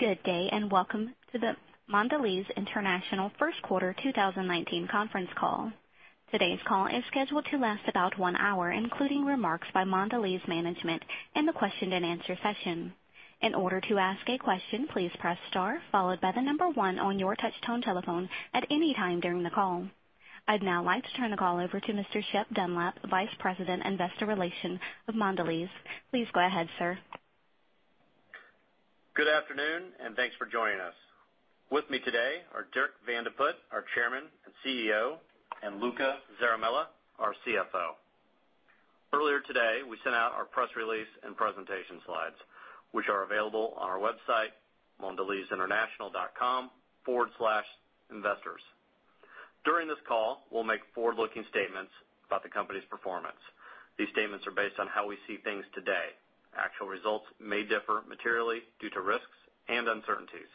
Good day, and welcome to the Mondelēz International First Quarter 2019 conference call. Today's call is scheduled to last about one hour, including remarks by Mondelēz management and the question and answer session. In order to ask a question, please press star followed by the number one on your touch-tone telephone at any time during the call. I'd now like to turn the call over to Mr. Shep Dunlap, Vice President, Investor Relations of Mondelēz. Please go ahead, sir. Good afternoon, thanks for joining us. With me today are Dirk Van de Put, our Chairman and CEO, and Luca Zaramella, our CFO. Earlier today, we sent out our press release and presentation slides, which are available on our website, mondelezinternational.com/investors. During this call, we'll make forward-looking statements about the company's performance. These statements are based on how we see things today. Actual results may differ materially due to risks and uncertainties.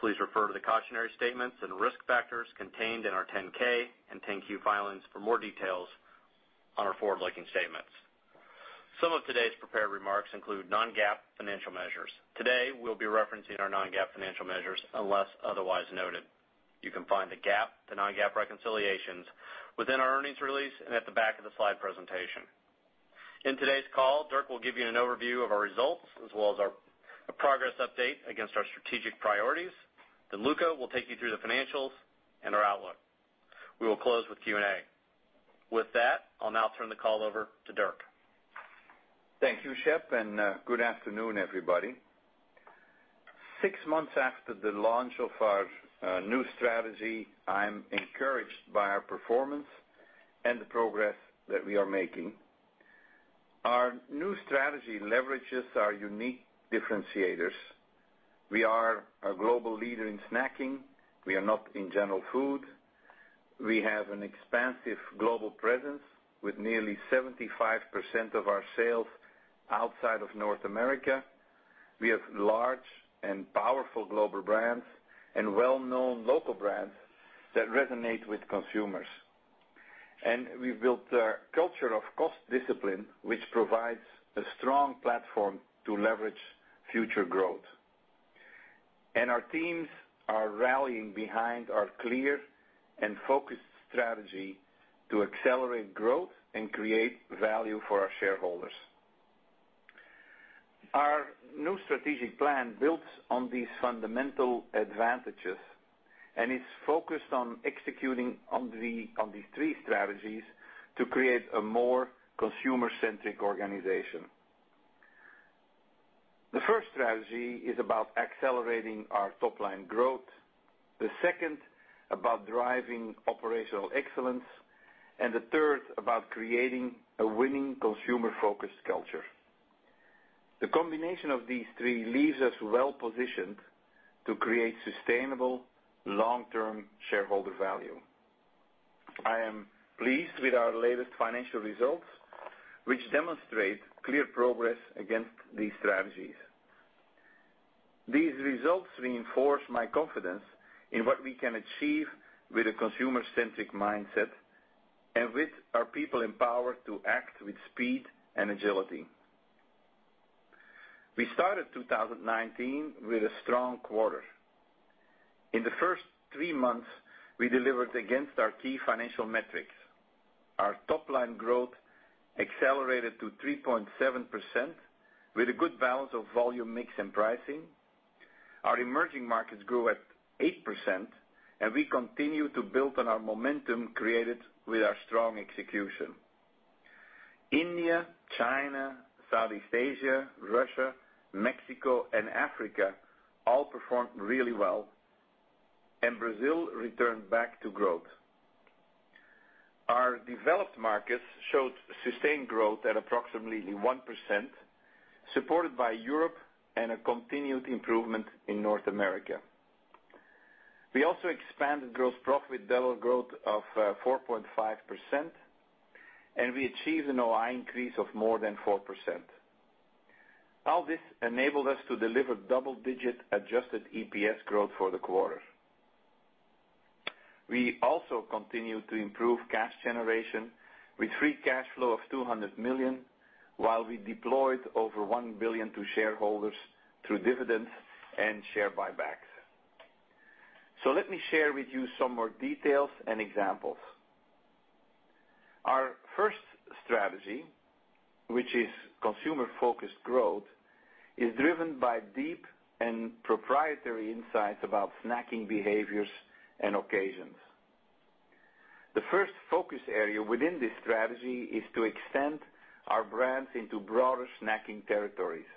Please refer to the cautionary statements and risk factors contained in our 10-K and 10-Q filings for more details on our forward-looking statements. Some of today's prepared remarks include non-GAAP financial measures. Today, we'll be referencing our non-GAAP financial measures unless otherwise noted. You can find the GAAP to non-GAAP reconciliations within our earnings release and at the back of the slide presentation. In today's call, Dirk will give you an overview of our results as well as a progress update against our strategic priorities. Luca will take you through the financials and our outlook. We will close with Q&A. With that, I'll now turn the call over to Dirk. Thank you, Shep, good afternoon, everybody. Six months after the launch of our new strategy, I'm encouraged by our performance and the progress that we are making. Our new strategy leverages our unique differentiators. We are a global leader in snacking, we are not in general food. We have an expansive global presence with nearly 75% of our sales outside of North America. We have large and powerful global brands and well-known local brands that resonate with consumers. We've built a culture of cost discipline, which provides a strong platform to leverage future growth. Our teams are rallying behind our clear and focused strategy to accelerate growth and create value for our shareholders. Our new strategic plan builds on these fundamental advantages and is focused on executing on these three strategies to create a more consumer-centric organization. The first strategy is about accelerating our top-line growth, the second about driving operational excellence, and the third about creating a winning consumer-focused culture. The combination of these three leaves us well positioned to create sustainable long-term shareholder value. I am pleased with our latest financial results, which demonstrate clear progress against these strategies. These results reinforce my confidence in what we can achieve with a consumer-centric mindset and with our people empowered to act with speed and agility. We started 2019 with a strong quarter. In the first three months, we delivered against our key financial metrics. Our top-line growth accelerated to 3.7% with a good balance of volume mix and pricing. Our emerging markets grew at 8%, and we continue to build on our momentum created with our strong execution. India, China, Southeast Asia, Russia, Mexico, and Africa all performed really well, and Brazil returned back to growth. Our developed markets showed sustained growth at approximately 1%, supported by Europe and a continued improvement in North America. We also expanded gross profit double growth of 4.5%, and we achieved an OI increase of more than 4%. All this enabled us to deliver double-digit adjusted EPS growth for the quarter. We also continued to improve cash generation with free cash flow of $200 million, while we deployed over $1 billion to shareholders through dividends and share buybacks. Let me share with you some more details and examples. Our first strategy, which is consumer-focused growth, is driven by deep and proprietary insights about snacking behaviors and occasions. The first focus area within this strategy is to extend our brands into broader snacking territories.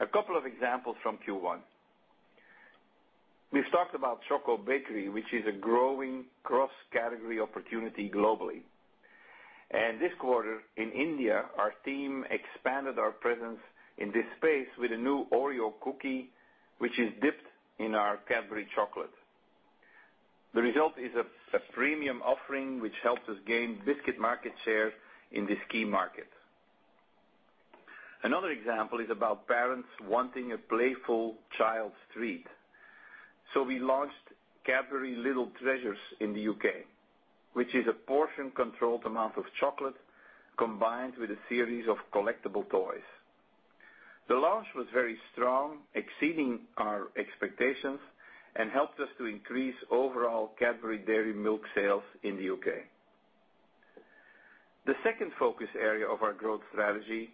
A couple of examples from Q1. We've talked about Choco Bakery, which is a growing cross-category opportunity globally. This quarter in India, our team expanded our presence in this space with a new Oreo cookie, which is dipped in our Cadbury chocolate. The result is a premium offering, which helps us gain biscuit market share in this key market. Another example is about parents wanting a playful child's treat. We launched Cadbury Little Treasures in the U.K., which is a portion-controlled amount of chocolate combined with a series of collectible toys. The launch was very strong, exceeding our expectations, and helped us to increase overall Cadbury Dairy Milk sales in the U.K. The second focus area of our growth strategy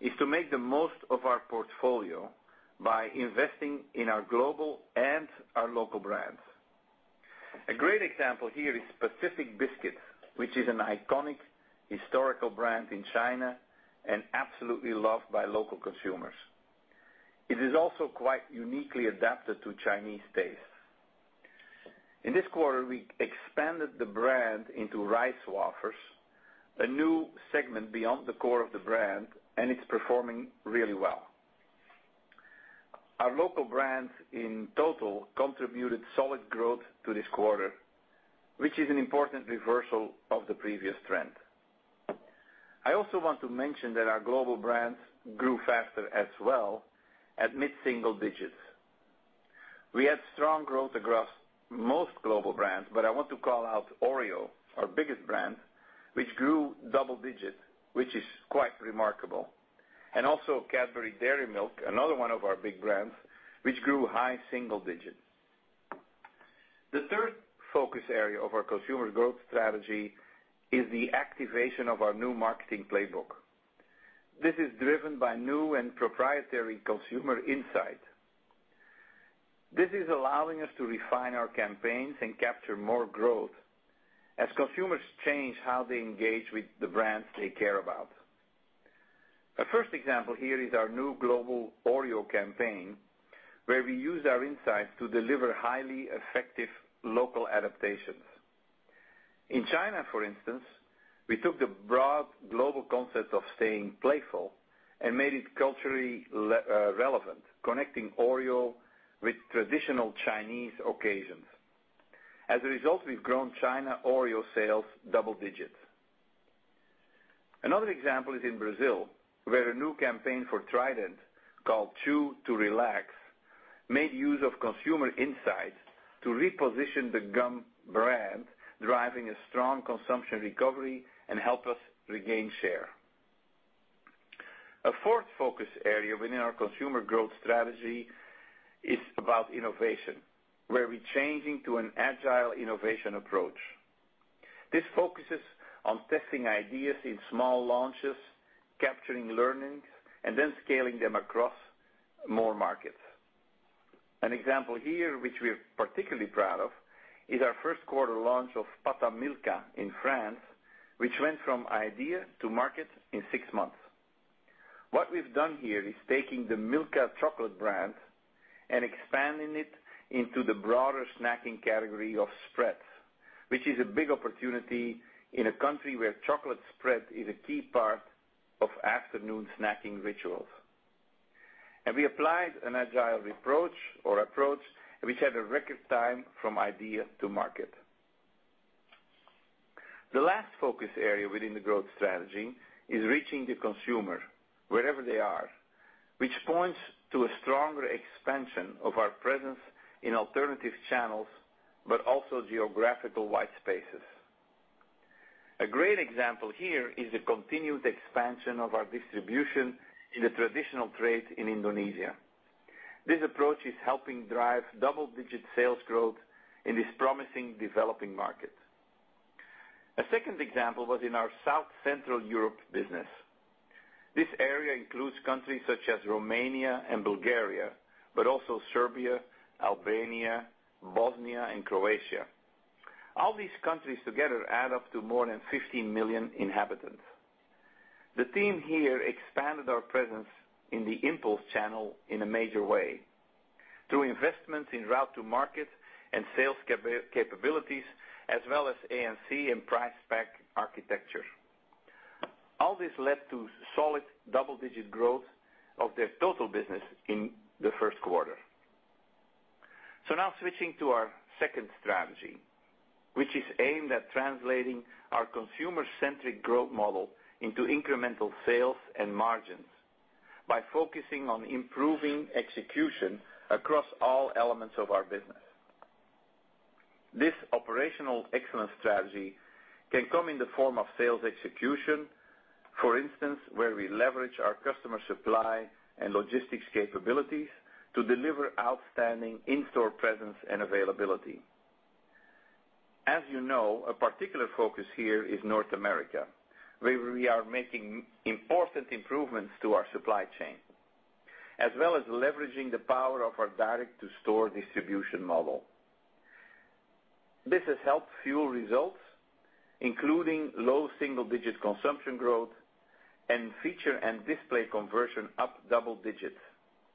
is to make the most of our portfolio by investing in our global and our local brands. A great example here is Pacific Biscuit, which is an iconic historical brand in China and absolutely loved by local consumers. It is also quite uniquely adapted to Chinese tastes. In this quarter, we expanded the brand into rice wafers, a new segment beyond the core of the brand, and it's performing really well. Our local brands in total contributed solid growth to this quarter, which is an important reversal of the previous trend. I also want to mention that our global brands grew faster as well at mid-single digits. We had strong growth across most global brands, but I want to call out Oreo, our biggest brand, which grew double digits, which is quite remarkable, and also Cadbury Dairy Milk, another one of our big brands, which grew high single digits. The third focus area of our consumer growth strategy is the activation of our new marketing playbook. This is driven by new and proprietary consumer insight. This is allowing us to refine our campaigns and capture more growth as consumers change how they engage with the brands they care about. A first example here is our new global Oreo campaign, where we use our insights to deliver highly effective local adaptations. In China, for instance, we took the broad global concept of staying playful and made it culturally relevant, connecting Oreo with traditional Chinese occasions. As a result, we've grown China Oreo sales double digits. Another example is in Brazil, where a new campaign for Trident, called Chew to Relax, made use of consumer insights to reposition the gum brand, driving a strong consumption recovery, and help us regain share. A fourth focus area within our consumer growth strategy is about innovation, where we're changing to an agile innovation approach. This focuses on testing ideas in small launches, capturing learnings, and then scaling them across more markets. An example here, which we're particularly proud of, is our first quarter launch of Pâte Milka in France, which went from idea to market in six months. What we've done here is taking the Milka chocolate brand and expanding it into the broader snacking category of spreads, which is a big opportunity in a country where chocolate spread is a key part of afternoon snacking rituals. We applied an agile approach or approach, which had a record time from idea to market. The last focus area within the growth strategy is reaching the consumer wherever they are, which points to a stronger expansion of our presence in alternative channels, but also geographical white spaces. A great example here is the continued expansion of our distribution in the traditional trade in Indonesia. This approach is helping drive double-digit sales growth in this promising developing market. A second example was in our South Central Europe business. This area includes countries such as Romania and Bulgaria, but also Serbia, Albania, Bosnia, and Croatia. All these countries together add up to more than 15 million inhabitants. The team here expanded our presence in the impulse channel in a major way through investments in route to market and sales capabilities, as well as A&C and price pack architecture. All this led to solid double-digit growth of their total business in the first quarter. Now switching to our second strategy, which is aimed at translating our consumer-centric growth model into incremental sales and margins by focusing on improving execution across all elements of our business. This operational excellence strategy can come in the form of sales execution, for instance, where we leverage our customer supply and logistics capabilities to deliver outstanding in-store presence and availability. As you know, a particular focus here is North America, where we are making important improvements to our supply chain, as well as leveraging the power of our direct-to-store distribution model. This has helped fuel results, including low single-digit consumption growth and feature and display conversion up double digits,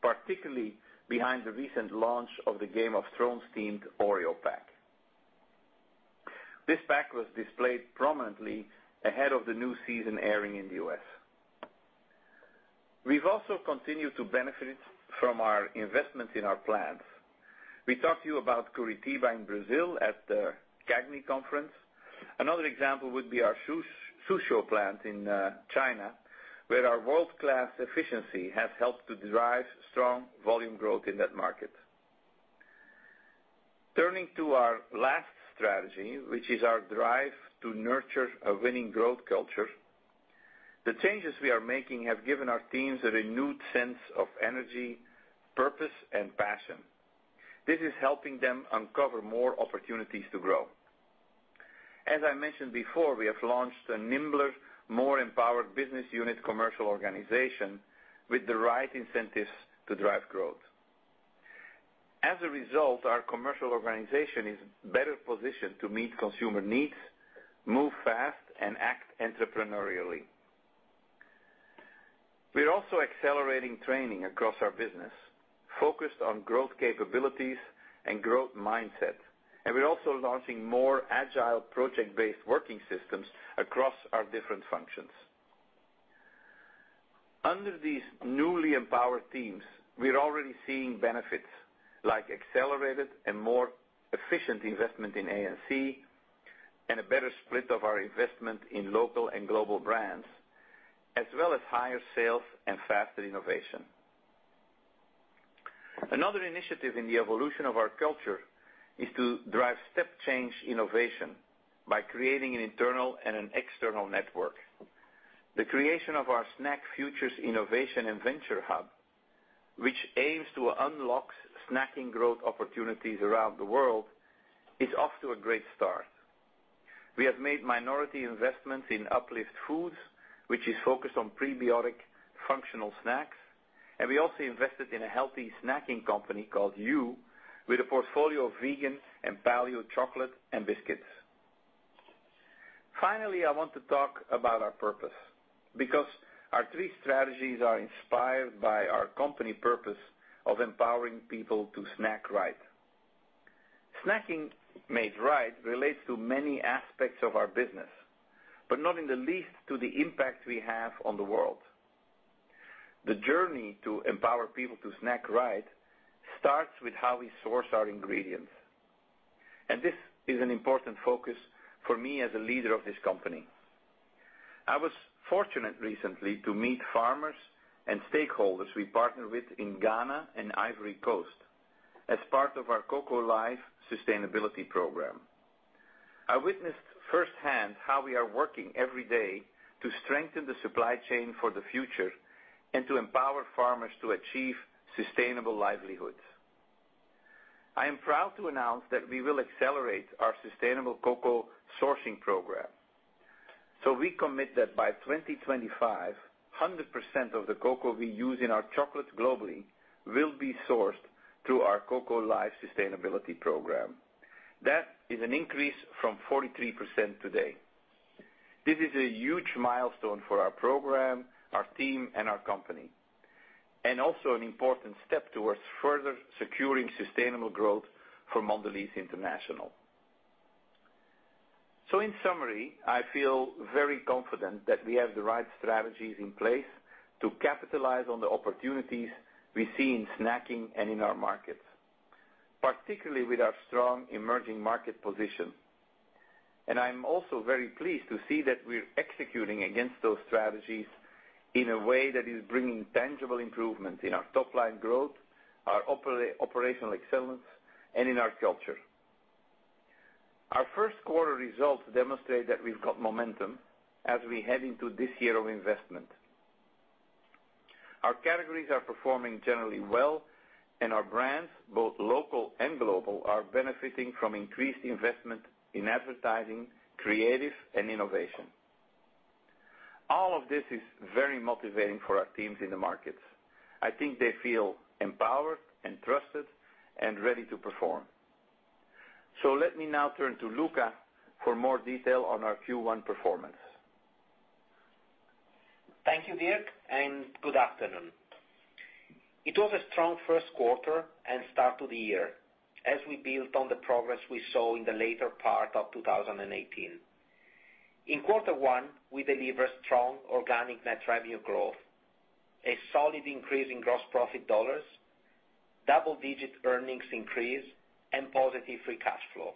particularly behind the recent launch of the "Game of Thrones" themed Oreo pack. This pack was displayed prominently ahead of the new season airing in the U.S. We've also continued to benefit from our investments in our plants. We talked to you about Curitiba in Brazil at the CAGNY conference. Another example would be our Suzhou plant in China, where our world-class efficiency has helped to drive strong volume growth in that market. Turning to our last strategy, which is our drive to nurture a winning growth culture. The changes we are making have given our teams a renewed sense of energy, purpose, and passion. This is helping them uncover more opportunities to grow. As I mentioned before, we have launched a nimbler, more empowered business unit commercial organization with the right incentives to drive growth. As a result, our commercial organization is better positioned to meet consumer needs, move fast, and act entrepreneurially. We are also accelerating training across our business, focused on growth capabilities and growth mindset. We are also launching more agile project-based working systems across our different functions. Under these newly empowered teams, we're already seeing benefits like accelerated and more efficient investment in A&C and a better split of our investment in local and global brands, as well as higher sales and faster innovation. Another initiative in the evolution of our culture is to drive step change innovation by creating an internal and an external network. The creation of our SnackFutures Innovation and Venture Hub, which aims to unlock snacking growth opportunities around the world, is off to a great start. We have made minority investments in Uplift Food, which is focused on prebiotic functional snacks. We also invested in a healthy snacking company called Hu, with a portfolio of vegan and paleo chocolate and biscuits. Finally, I want to talk about our purpose because our three strategies are inspired by our company purpose of empowering people to snack right. Snacking made right relates to many aspects of our business, but not in the least to the impact we have on the world. The journey to empower people to snack right starts with how we source our ingredients. This is an important focus for me as a leader of this company. I was fortunate recently to meet farmers and stakeholders we partner with in Ghana and Ivory Coast as part of our Cocoa Life sustainability program. I witnessed firsthand how we are working every day to strengthen the supply chain for the future and to empower farmers to achieve sustainable livelihoods. I am proud to announce that we will accelerate our sustainable cocoa sourcing program. We commit that by 2025, 100% of the cocoa we use in our chocolates globally will be sourced through our Cocoa Life sustainability program. That is an increase from 43% today. This is a huge milestone for our program, our team, and our company, and also an important step towards further securing sustainable growth for Mondelēz International. In summary, I feel very confident that we have the right strategies in place to capitalize on the opportunities we see in snacking and in our markets, particularly with our strong emerging market position. I'm also very pleased to see that we're executing against those strategies in a way that is bringing tangible improvement in our top-line growth, our operational excellence, and in our culture. Our first quarter results demonstrate that we've got momentum as we head into this year of investment. Our categories are performing generally well, and our brands, both local and global, are benefiting from increased investment in advertising, creative, and innovation. All of this is very motivating for our teams in the markets. I think they feel empowered and trusted and ready to perform. Let me now turn to Luca for more detail on our Q1 performance. Thank you, Dirk, good afternoon. It was a strong first quarter and start to the year as we built on the progress we saw in the later part of 2018. In quarter one, we delivered strong organic net revenue growth, a solid increase in gross profit dollars, double-digit earnings increase, and positive free cash flow.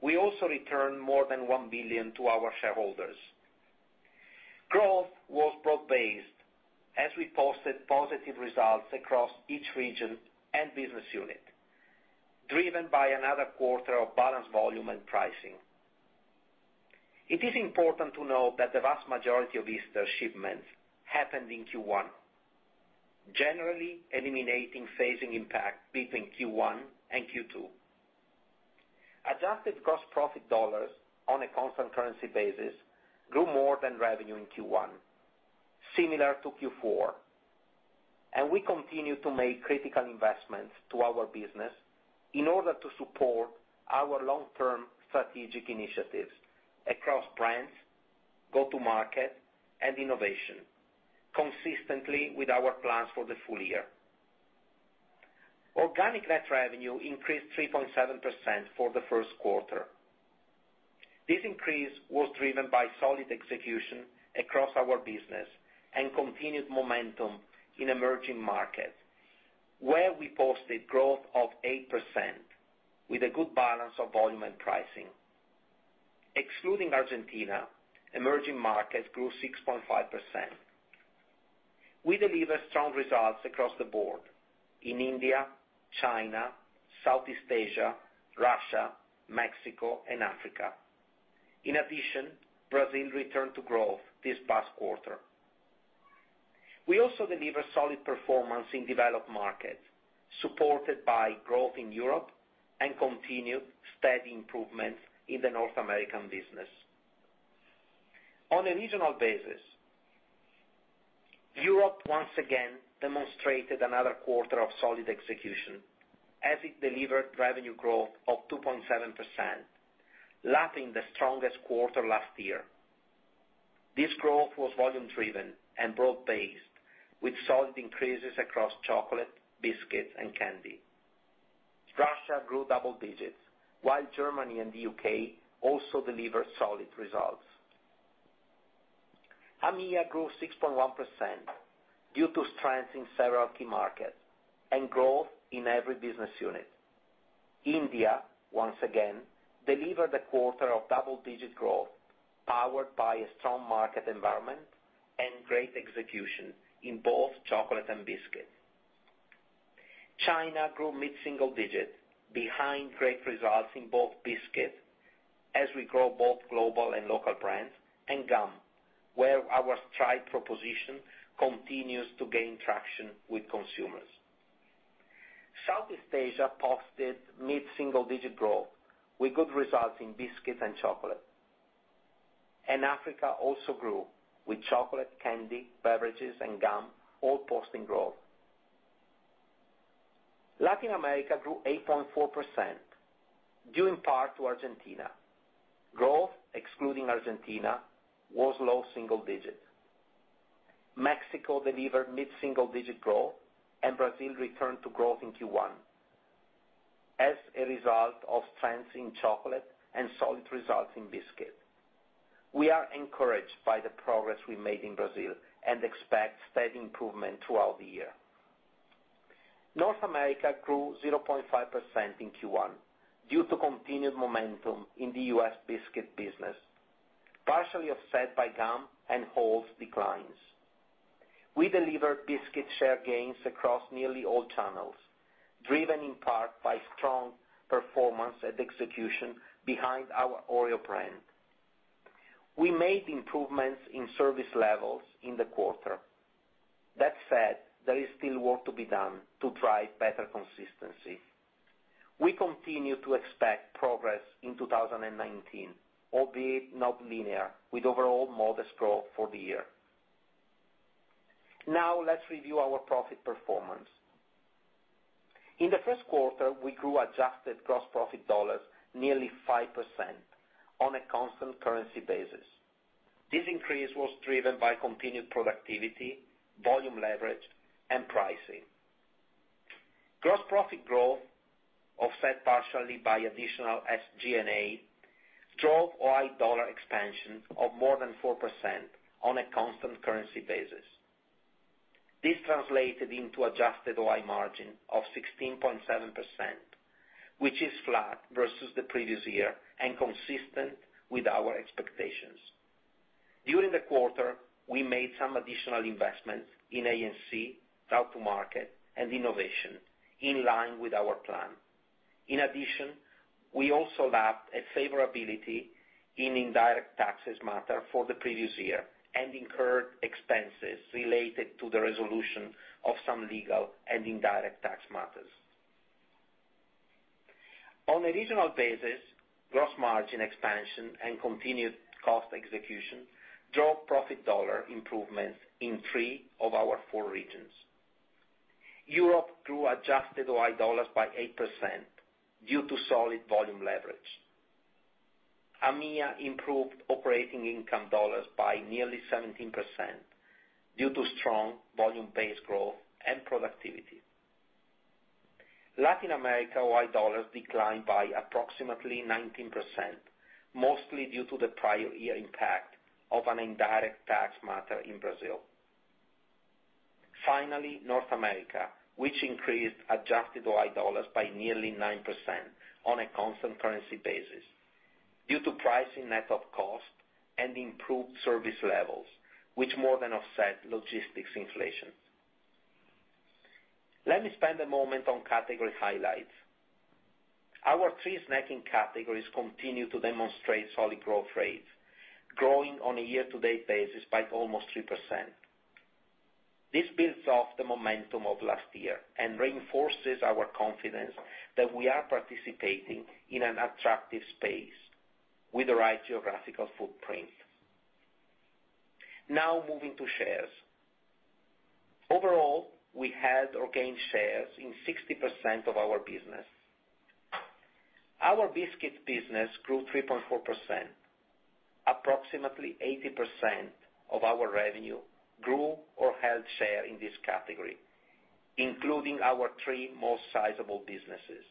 We also returned more than $1 billion to our shareholders. Growth was broad-based as we posted positive results across each region and business unit, driven by another quarter of balanced volume and pricing. It is important to note that the vast majority of Easter shipments happened in Q1, generally eliminating phasing impact between Q1 and Q2. Adjusted gross profit dollars on a constant currency basis grew more than revenue in Q1, similar to Q4. We continue to make critical investments to our business in order to support our long-term strategic initiatives across brands, go-to market, and innovation, consistently with our plans for the full year. Organic net revenue increased 3.7% for the first quarter. This increase was driven by solid execution across our business and continued momentum in emerging markets, where we posted growth of 8%, with a good balance of volume and pricing. Excluding Argentina, emerging markets grew 6.5%. We delivered strong results across the board in India, China, Southeast Asia, Russia, Mexico, and Africa. In addition, Brazil returned to growth this past quarter. We also delivered solid performance in developed markets, supported by growth in Europe and continued steady improvements in the North American business. On a regional basis, Europe once again demonstrated another quarter of solid execution as it delivered revenue growth of 2.7%, lapping the strongest quarter last year. This growth was volume driven and broad-based, with solid increases across chocolate, biscuits, and candy. Russia grew double digits, while Germany and the U.K. also delivered solid results. EMEA grew 6.1% due to strengths in several key markets and growth in every business unit. India, once again, delivered a quarter of double-digit growth, powered by a strong market environment and great execution in both chocolate and biscuits. China grew mid-single digits behind great results in both biscuits, as we grow both global and local brands, and gum, where our Stride proposition continues to gain traction with consumers. Southeast Asia posted mid-single digit growth, with good results in biscuits and chocolate. Africa also grew, with chocolate, candy, beverages, and gum all posting growth. Latin America grew 8.4%, due in part to Argentina. Growth, excluding Argentina, was low single digits. Mexico delivered mid-single digit growth and Brazil returned to growth in Q1 as a result of trends in chocolate and solid results in biscuits. We are encouraged by the progress we made in Brazil and expect steady improvement throughout the year. North America grew 0.5% in Q1 due to continued momentum in the U.S. biscuit business, partially offset by gum and Halls declines. We delivered biscuit share gains across nearly all channels, driven in part by strong performance and execution behind our Oreo brand. We made improvements in service levels in the quarter. That said, there is still work to be done to drive better consistency. We continue to expect progress in 2019, albeit not linear, with overall modest growth for the year. Now let's review our profit performance. In the first quarter, we grew adjusted gross profit dollars nearly 5% on a constant currency basis. This increase was driven by continued productivity, volume leverage, and pricing. Gross profit growth, offset partially by additional SG&A, drove OI dollar expansion of more than 4% on a constant currency basis. This translated into adjusted OI margin of 16.7%, which is flat versus the previous year and consistent with our expectations. During the quarter, we made some additional investments in A&C, go-to-market, and innovation in line with our plan. In addition, we also lapped a favorability in indirect taxes matter for the previous year and incurred expenses related to the resolution of some legal and indirect tax matters. On a regional basis, gross margin expansion and continued cost execution drove profit dollar improvements in three of our four regions. Europe grew adjusted OI dollars by 8% due to solid volume leverage. EMEA improved operating income dollars by nearly 17% due to strong volume-based growth and productivity. Latin America OI dollars declined by approximately 19%, mostly due to the prior year impact of an indirect tax matter in Brazil. Finally, North America, which increased adjusted OI dollars by nearly 9% on a constant currency basis due to pricing net of cost and improved service levels, which more than offset logistics inflation. Let me spend a moment on category highlights. Our three snacking categories continue to demonstrate solid growth rates, growing on a year-to-date basis by almost 3%. This builds off the momentum of last year and reinforces our confidence that we are participating in an attractive space with the right geographical footprint. Now moving to shares. Overall, we had organic shares in 60% of our business. Our biscuit business grew 3.4%. Approximately 80% of our revenue grew or held share in this category, including our three most sizable businesses,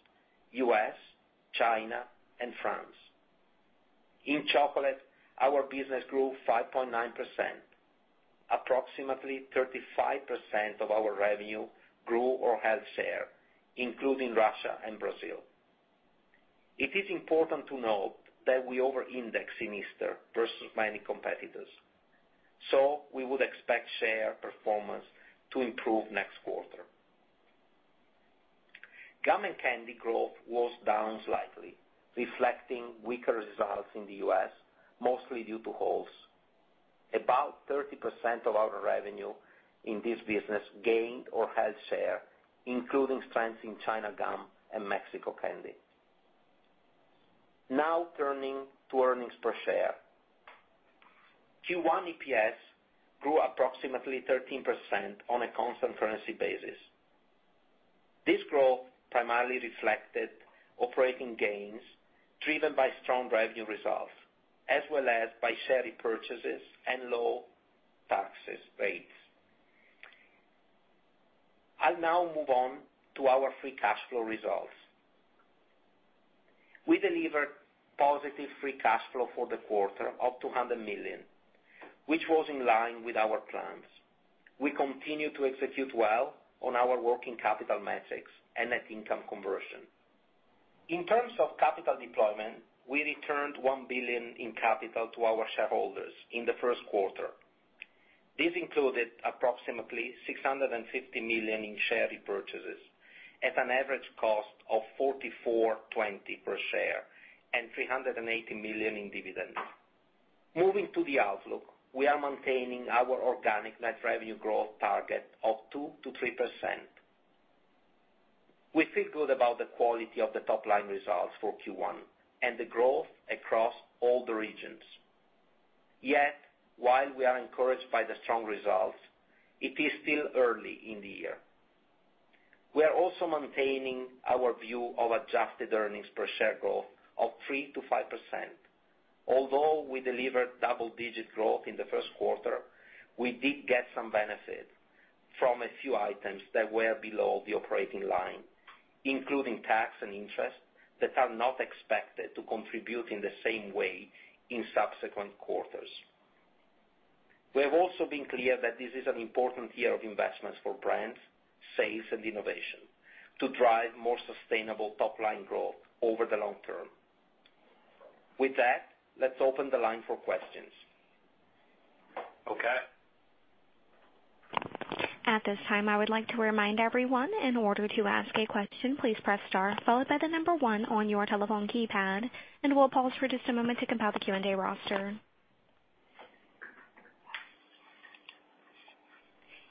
U.S., China, and France. Chocolate, our business grew 5.9%. Approximately 35% of our revenue grew or held share, including Russia and Brazil. It is important to note that we over-index in Easter versus many competitors. We would expect share performance to improve next quarter. Gum and candy growth was down slightly, reflecting weaker results in the U.S., mostly due to Halls. About 30% of our revenue in this business gained or held share, including strengths in China gum and Mexico candy. Now turning to earnings per share. Q1 EPS grew approximately 13% on a constant currency basis. This growth primarily reflected operating gains driven by strong revenue results, as well as by share repurchases and low tax rates. I'll now move on to our free cash flow results. We delivered positive free cash flow for the quarter of $200 million, which was in line with our plans. We continue to execute well on our working capital metrics and net income conversion. In terms of capital deployment, we returned $1 billion in capital to our shareholders in the first quarter. This included approximately $650 million in share repurchases at an average cost of $44.20 per share, and $380 million in dividends. Moving to the outlook, we are maintaining our organic net revenue growth target of 2%-3%. We feel good about the quality of the top-line results for Q1 and the growth across all the regions. Yet, while we are encouraged by the strong results, it is still early in the year. We are also maintaining our view of adjusted earnings per share growth of 3%-5%. Although we delivered double-digit growth in the first quarter, we did get some benefit from a few items that were below the operating line, including tax and interest that are not expected to contribute in the same way in subsequent quarters. We have also been clear that this is an important year of investments for brands, sales, and innovation to drive more sustainable top-line growth over the long term. With that, let's open the line for questions. Okay. At this time, I would like to remind everyone, in order to ask a question, please press star followed by the number one on your telephone keypad, and we'll pause for just a moment to compile the Q&A roster.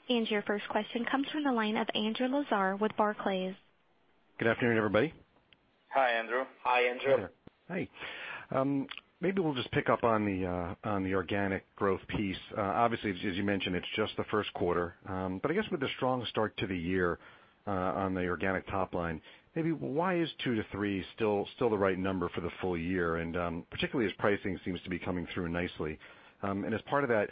Your first question comes from the line of Andrew Lazar with Barclays. Good afternoon, everybody. Hi, Andrew. Hi, Andrew. Hi. Maybe we'll just pick up on the organic growth piece. Obviously, as you mentioned, it's just the first quarter. I guess with the strong start to the year, on the organic top line, maybe why is 2%-3% still the right number for the full year, and particularly as pricing seems to be coming through nicely. As part of that,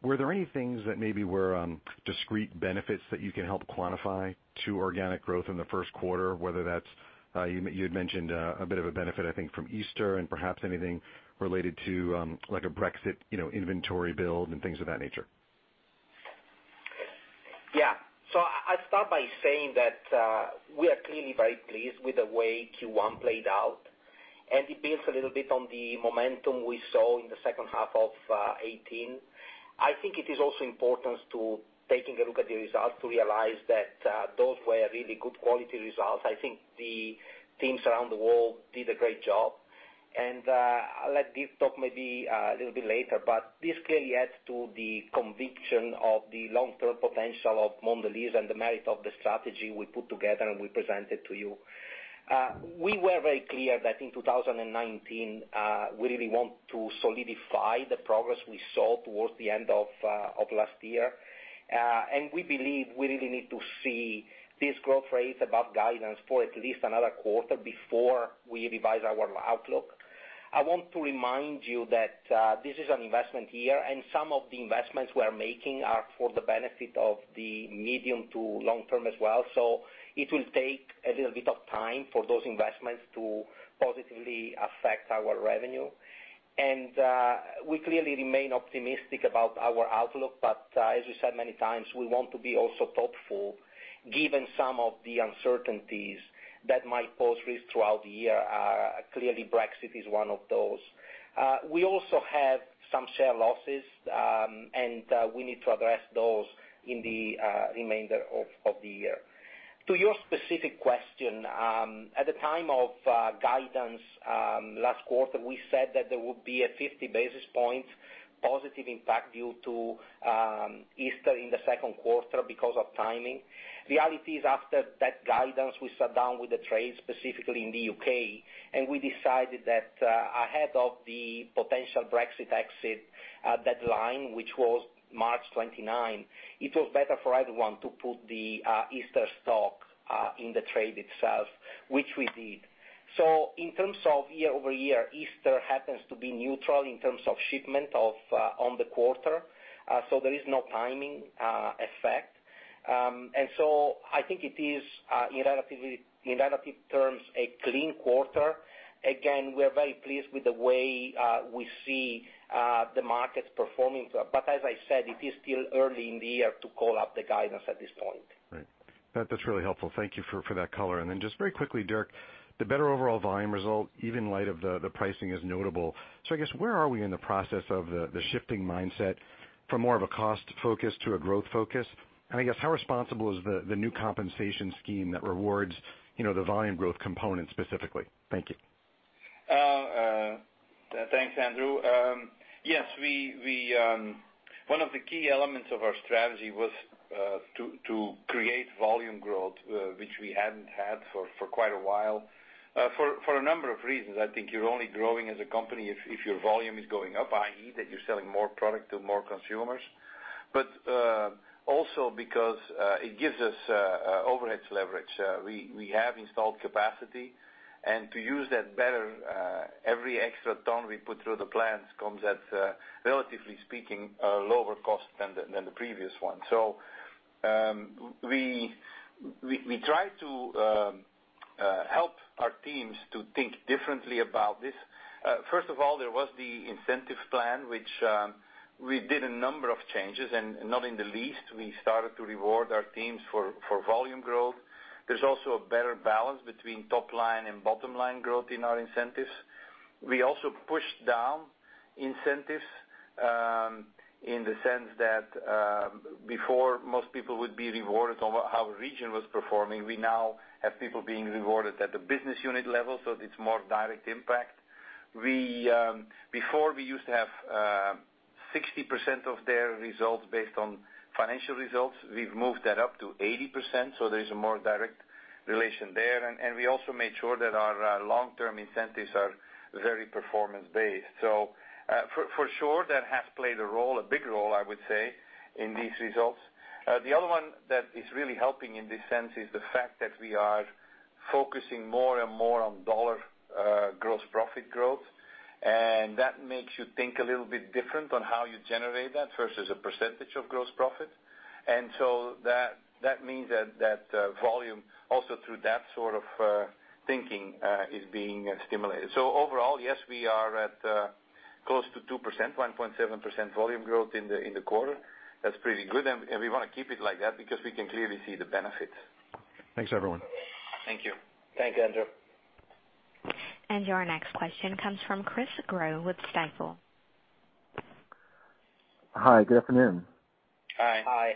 were there any things that maybe were discrete benefits that you can help quantify to organic growth in the first quarter, whether that's, you had mentioned, a bit of a benefit, I think, from Easter and perhaps anything related to, like a Brexit inventory build and things of that nature? Yeah. I start by saying that, we are clearly very pleased with the way Q1 played out, and it builds a little bit on the momentum we saw in the second half of 2018. I think it is also important to taking a look at the results to realize that those were really good quality results. I think the teams around the world did a great job. I'll let Dirk talk maybe a little bit later, but this clearly adds to the conviction of the long-term potential of Mondelēz and the merit of the strategy we put together and we presented to you. We were very clear that in 2019, we really want to solidify the progress we saw towards the end of last year. We believe we really need to see this growth rate above guidance for at least another quarter before we revise our outlook. I want to remind you that this is an investment year, and some of the investments we are making are for the benefit of the medium to long term as well. It will take a little bit of time for those investments to positively affect our revenue. We clearly remain optimistic about our outlook. As we said many times, we want to be also thoughtful given some of the uncertainties that might pose risks throughout the year. Clearly, Brexit is one of those. We also have some share losses, and we need to address those in the remainder of the year. To your specific question, at the time of guidance, last quarter, we said that there would be a 50 basis point positive impact due to Easter in the second quarter because of timing. Reality is, after that guidance, we sat down with the trade, specifically in the U.K., and we decided that, ahead of the potential Brexit exit deadline, which was March 29, it was better for everyone to put the Easter stock in the trade itself, which we did. In terms of year-over-year, Easter happens to be neutral in terms of shipment on the quarter. There is no timing effect. I think it is, in relative terms, a clean quarter. Again, we are very pleased with the way we see the markets performing. As I said, it is still early in the year to call up the guidance at this point. Right. That's really helpful. Thank you for that color. Just very quickly, Dirk, the better overall volume result, even in light of the pricing, is notable. I guess, where are we in the process of the shifting mindset from more of a cost focus to a growth focus? I guess, how responsible is the new compensation scheme that rewards the volume growth component specifically? Thank you. Thanks, Andrew. One of the key elements of our strategy was to create volume growth, which we hadn't had for quite a while, for a number of reasons. I think you're only growing as a company if your volume is going up, i.e., that you're selling more product to more consumers. Also because it gives us overhead leverage. We have installed capacity, and to use that better, every extra ton we put through the plants comes at, relatively speaking, a lower cost than the previous one. We try to help our teams to think differently about this. First of all, there was the incentive plan, which we did a number of changes, and not in the least, we started to reward our teams for volume growth. There's also a better balance between top-line and bottom-line growth in our incentives. We also pushed down incentives in the sense that before most people would be rewarded on how a region was performing. We now have people being rewarded at the business unit level, so it's more direct impact. Before we used to have 60% of their results based on financial results. We've moved that up to 80%, so there is a more direct relation there, and we also made sure that our long-term incentives are very performance-based. For sure, that has played a role, a big role, I would say, in these results. The other one that is really helping in this sense is the fact that we are focusing more and more on dollar gross profit growth. That makes you think a little bit different on how you generate that versus a percentage of gross profit. That means that volume, also through that sort of thinking, is being stimulated. Overall, yes, we are at close to 2%, 1.7% volume growth in the quarter. That's pretty good, and we want to keep it like that because we can clearly see the benefits. Thanks, everyone. Thank you. Thanks, Andrew. Your next question comes from Chris Growe with Stifel. Hi, good afternoon. Hi. Hi.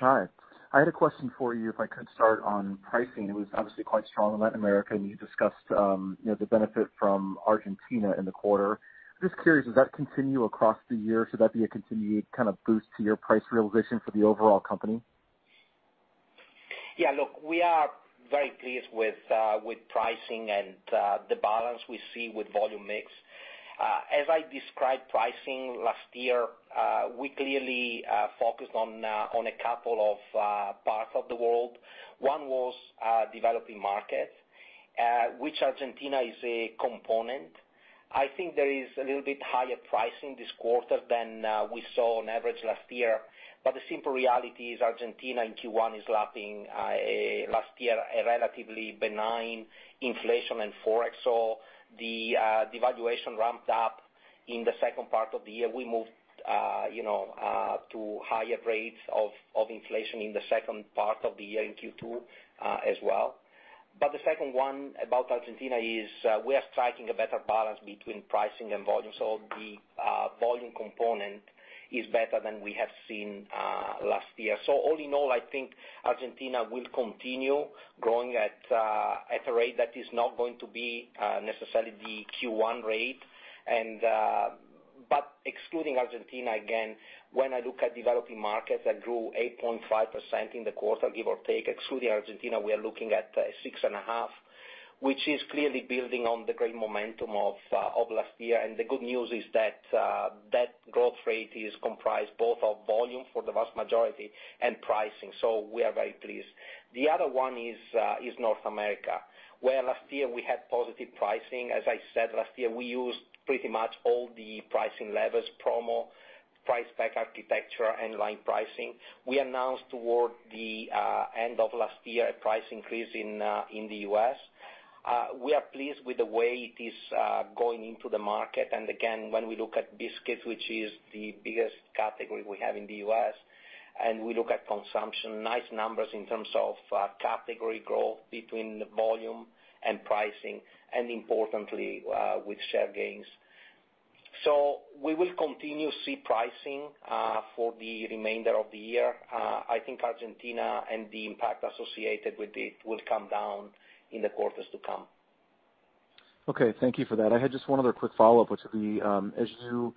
Hi. I had a question for you, if I could start on pricing. It was obviously quite strong in Latin America, and you discussed the benefit from Argentina in the quarter. Just curious, does that continue across the year? Should that be a continued kind of boost to your price realization for the overall company? Yeah, look, we are very pleased with pricing and the balance we see with volume mix. As I described pricing last year, we clearly focused on a couple of parts of the world. One was developing markets, which Argentina is a component. I think there is a little bit higher pricing this quarter than we saw on average last year. The simple reality is Argentina in Q1 is lapping last year a relatively benign inflation and Forex. The devaluation ramped up in the second part of the year. We moved to higher rates of inflation in the second part of the year in Q2 as well. The second one about Argentina is we are striking a better balance between pricing and volume. The volume component is better than we have seen last year. All in all, I think Argentina will continue growing at a rate that is not going to be necessarily the Q1 rate. Excluding Argentina, again, when I look at developing markets that grew 8.5% in the quarter, give or take, excluding Argentina, we are looking at 6.5%, which is clearly building on the great momentum of last year. The good news is that growth rate is comprised both of volume for the vast majority and pricing. We are very pleased. The other one is North America, where last year we had positive pricing. I said, last year, we used pretty much all the pricing levers, promo, price back architecture, and line pricing. We announced toward the end of last year a price increase in the U.S. We are pleased with the way it is going into the market. Again, when we look at biscuits, which is the biggest category we have in the U.S., and we look at consumption, nice numbers in terms of category growth between volume and pricing, and importantly, with share gains. We will continue to see pricing for the remainder of the year. I think Argentina and the impact associated with it will come down in the quarters to come. Okay. Thank you for that. I had just one other quick follow-up, which would be, as you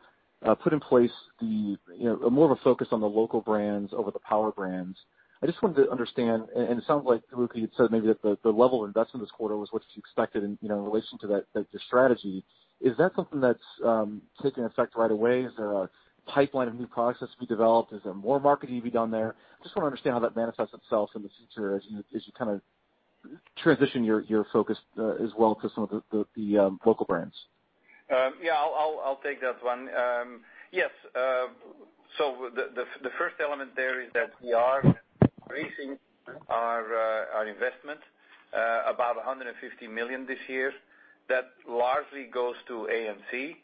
put in place more of a focus on the local brands over the power brands, I just wanted to understand, and it sounds like, Luca, you had said maybe that the level of investment this quarter was what you expected in relation to the strategy. Is that something that's taking effect right away? Is there a pipeline of new products that's to be developed? Is there more marketing to be done there? Just want to understand how that manifests itself in the future as you transition your focus as well to some of the local brands. Yeah, I'll take that one. Yes. The first element there is that we are increasing our investment, about $150 million this year. That largely goes to A&C.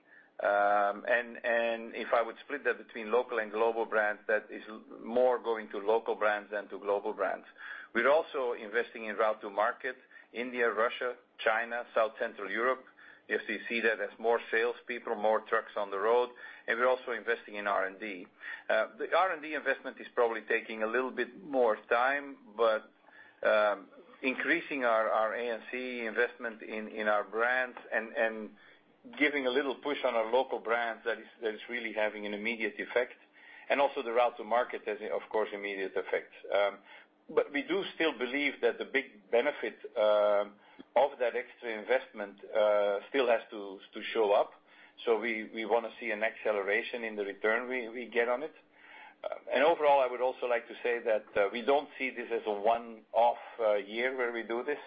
If I would split that between local and global brands, that is more going to local brands than to global brands. We're also investing in route to market, India, Russia, China, South Central Europe. If you see that as more salespeople, more trucks on the road, and we're also investing in R&D. The R&D investment is probably taking a little bit more time, but increasing our A&C investment in our brands and giving a little push on our local brands, that is really having an immediate effect. Also the route to market has, of course, immediate effect. We do still believe that the big benefit of that extra investment still has to show up. We want to see an acceleration in the return we get on it. Overall, I would also like to say that we don't see this as a one-off year where we do this.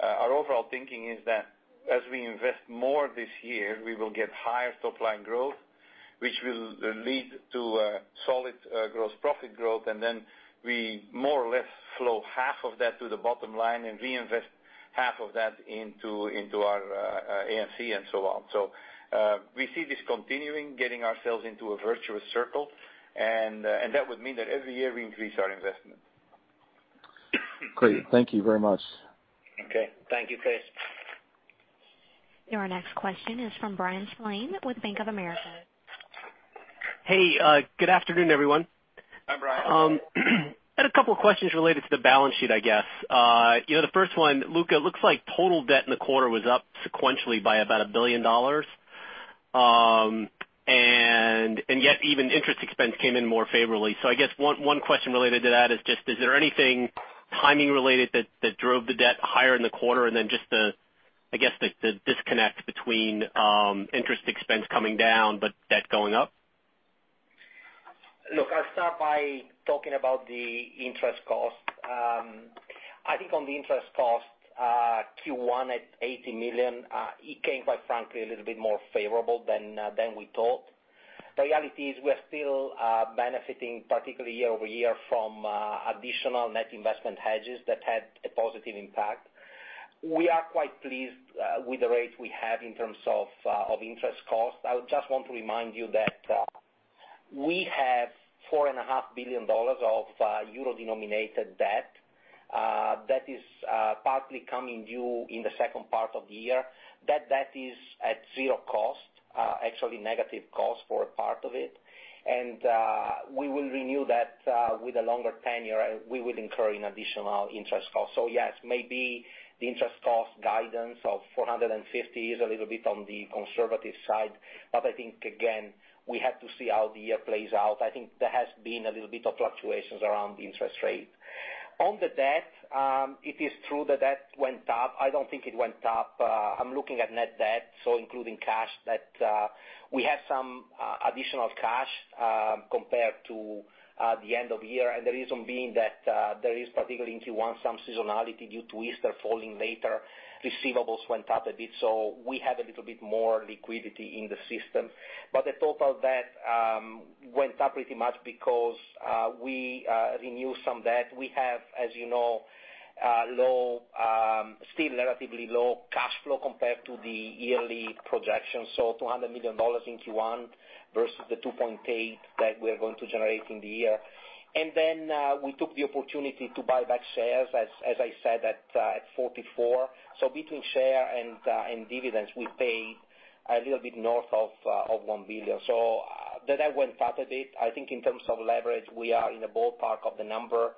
Our overall thinking is that as we invest more this year, we will get higher top-line growth, which will lead to solid gross profit growth, and then we more or less flow half of that to the bottom line and reinvest half of that into our A&C and so on. We see this continuing, getting ourselves into a virtuous circle, and that would mean that every year we increase our investment. Great. Thank you very much. Okay. Thank you, Chris. Your next question is from Bryan Spillane with Bank of America. Hey, good afternoon, everyone. Hi, Bryan. Had a couple of questions related to the balance sheet, I guess. The first one, Luca, looks like total debt in the quarter was up sequentially by about $1 billion. Yet even interest expense came in more favorably. I guess one question related to that is just, is there anything timing related that drove the debt higher in the quarter? Then just the, I guess, the disconnect between interest expense coming down but debt going up? Look, I'll start by talking about the interest cost. I think on the interest cost, Q1 at $80 million, it came quite frankly, a little bit more favorable than we thought. The reality is we're still benefiting particularly year-over-year from additional net investment hedges that had a positive impact. We are quite pleased with the rates we have in terms of interest cost. I just want to remind you that we have $4.5 billion of euro-denominated debt that is partly coming due in the second part of the year. That debt is at zero cost, actually negative cost for a part of it. We will renew that with a longer tenure, and we would incur an additional interest cost. Yes, maybe the interest cost guidance of $450 million is a little bit on the conservative side, but I think, again, we have to see how the year plays out. I think there has been a little bit of fluctuations around the interest rate. On the debt, it is true the debt went up. I don't think it went up. I'm looking at net debt, so including cash that we had some additional cash, compared to the end of the year. The reason being that there is particularly in Q1, some seasonality due to Easter falling later, receivables went up a bit. We had a little bit more liquidity in the system. The total debt went up pretty much because we renewed some debt. We have, as you know, still relatively low cash flow compared to the yearly projection. $200 million in Q1 versus the $2.8 that we are going to generate in the year. We took the opportunity to buy back shares, as I said, at $44. Between share and dividends, we paid a little bit north of $1 billion. The debt went up a bit. I think in terms of leverage, we are in the ballpark of the number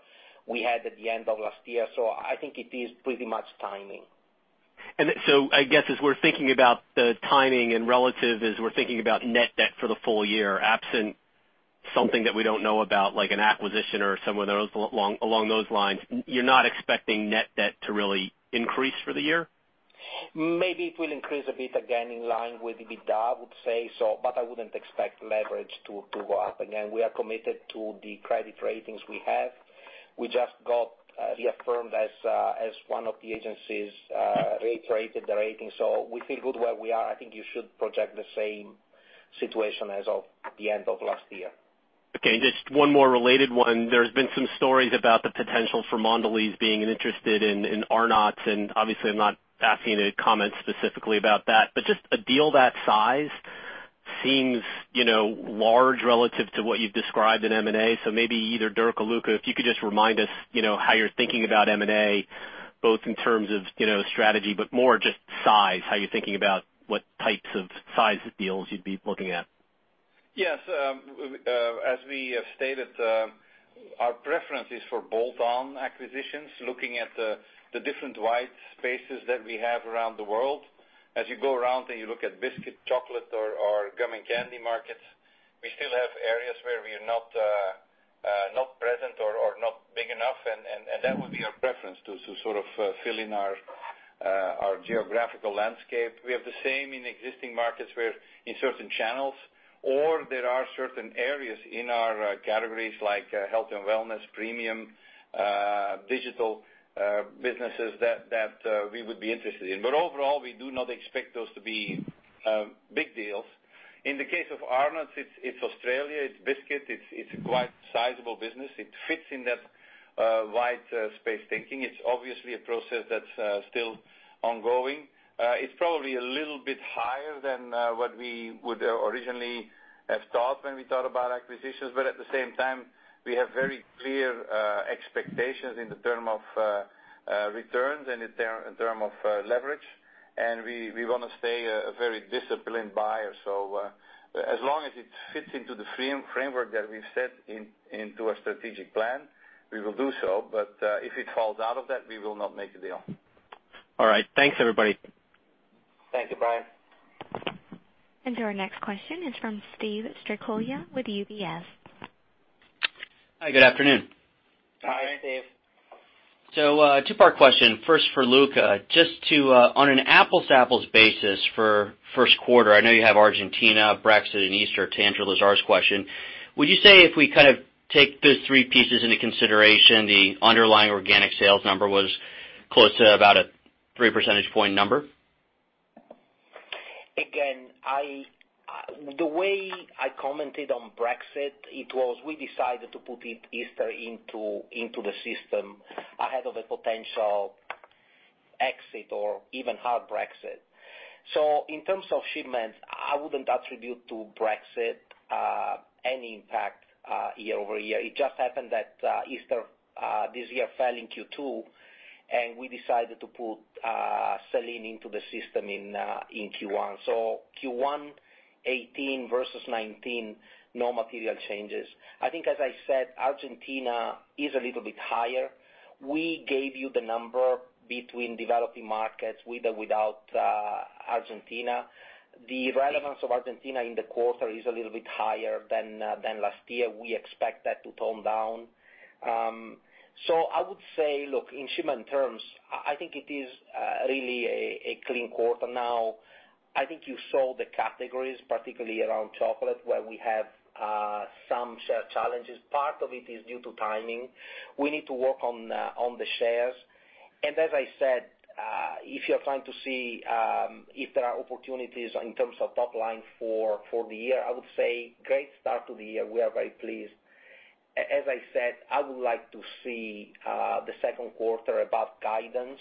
we had at the end of last year. I think it is pretty much timing. I guess as we're thinking about the timing and relative as we're thinking about net debt for the full year, absent something that we don't know about, like an acquisition or somewhere along those lines, you're not expecting net debt to really increase for the year? Maybe it will increase a bit again, in line with the EBITDA, I would say so, but I wouldn't expect leverage to go up again. We are committed to the credit ratings we have. We just got reaffirmed as one of the agencies reiterated the rating. We feel good where we are. I think you should project the same situation as of the end of last year. Okay, just one more related one. There's been some stories about the potential for Mondelēz being interested in Arnott's, and obviously I'm not asking you to comment specifically about that, but just a deal that size seems large relative to what you've described in M&A. Maybe either Dirk or Luca, if you could just remind us how you're thinking about M&A, both in terms of strategy, but more just size, how you're thinking about what types of size deals you'd be looking at. Yes, as we have stated, our preference is for bolt-on acquisitions, looking at the different white spaces that we have around the world. As you go around and you look at biscuit, chocolate, or gum and candy markets, we still have areas where we are not present or not big enough, and that would be our preference to sort of fill in our geographical landscape. We have the same in existing markets where in certain channels, or there are certain areas in our categories like health and wellness, premium, digital businesses that we would be interested in. Overall, we do not expect those to be big deals. In the case of Arnott's, it's Australia, it's biscuit, it's a quite sizable business. It fits in that white space thinking. It's obviously a process that's still ongoing. It's probably a little bit higher than what we would originally have thought when we thought about acquisitions. At the same time, we have very clear expectations in terms of returns and in terms of leverage, and we want to stay a very disciplined buyer. As long as it fits into the framework that we've set into our strategic plan, we will do so. If it falls out of that, we will not make a deal. All right. Thanks, everybody. Thank you, Bryan. Our next question is from Steve Strycula with UBS. Hi, good afternoon. Hi, Steve. Two-part question. First, for Luca, on an apples-to-apples basis for first quarter, I know you have Argentina, Brexit, and Easter to answer Lazar's question. Would you say if we take those three pieces into consideration, the underlying organic sales number was close to about a 3 percentage point number? Again, the way I commented on Brexit, we decided to put it, Easter, into the system ahead of a potential exit or even hard Brexit. In terms of shipments, I wouldn't attribute to Brexit, any impact year-over-year. It just happened that Easter this year fell in Q2, and we decided to put sell-in into the system in Q1. Q1 2018 versus 2019, no material changes. I think as I said, Argentina is a little bit higher. We gave you the number between developing markets with or without Argentina. The relevance of Argentina in the quarter is a little bit higher than last year. We expect that to tone down. I would say, look, in shipment terms, I think it is really a clean quarter now. I think you saw the categories, particularly around chocolate, where we have some share challenges. Part of it is due to timing. We need to work on the shares. As I said, if you're trying to see if there are opportunities in terms of top line for the year, I would say, great start to the year. We are very pleased. As I said, I would like to see the second quarter above guidance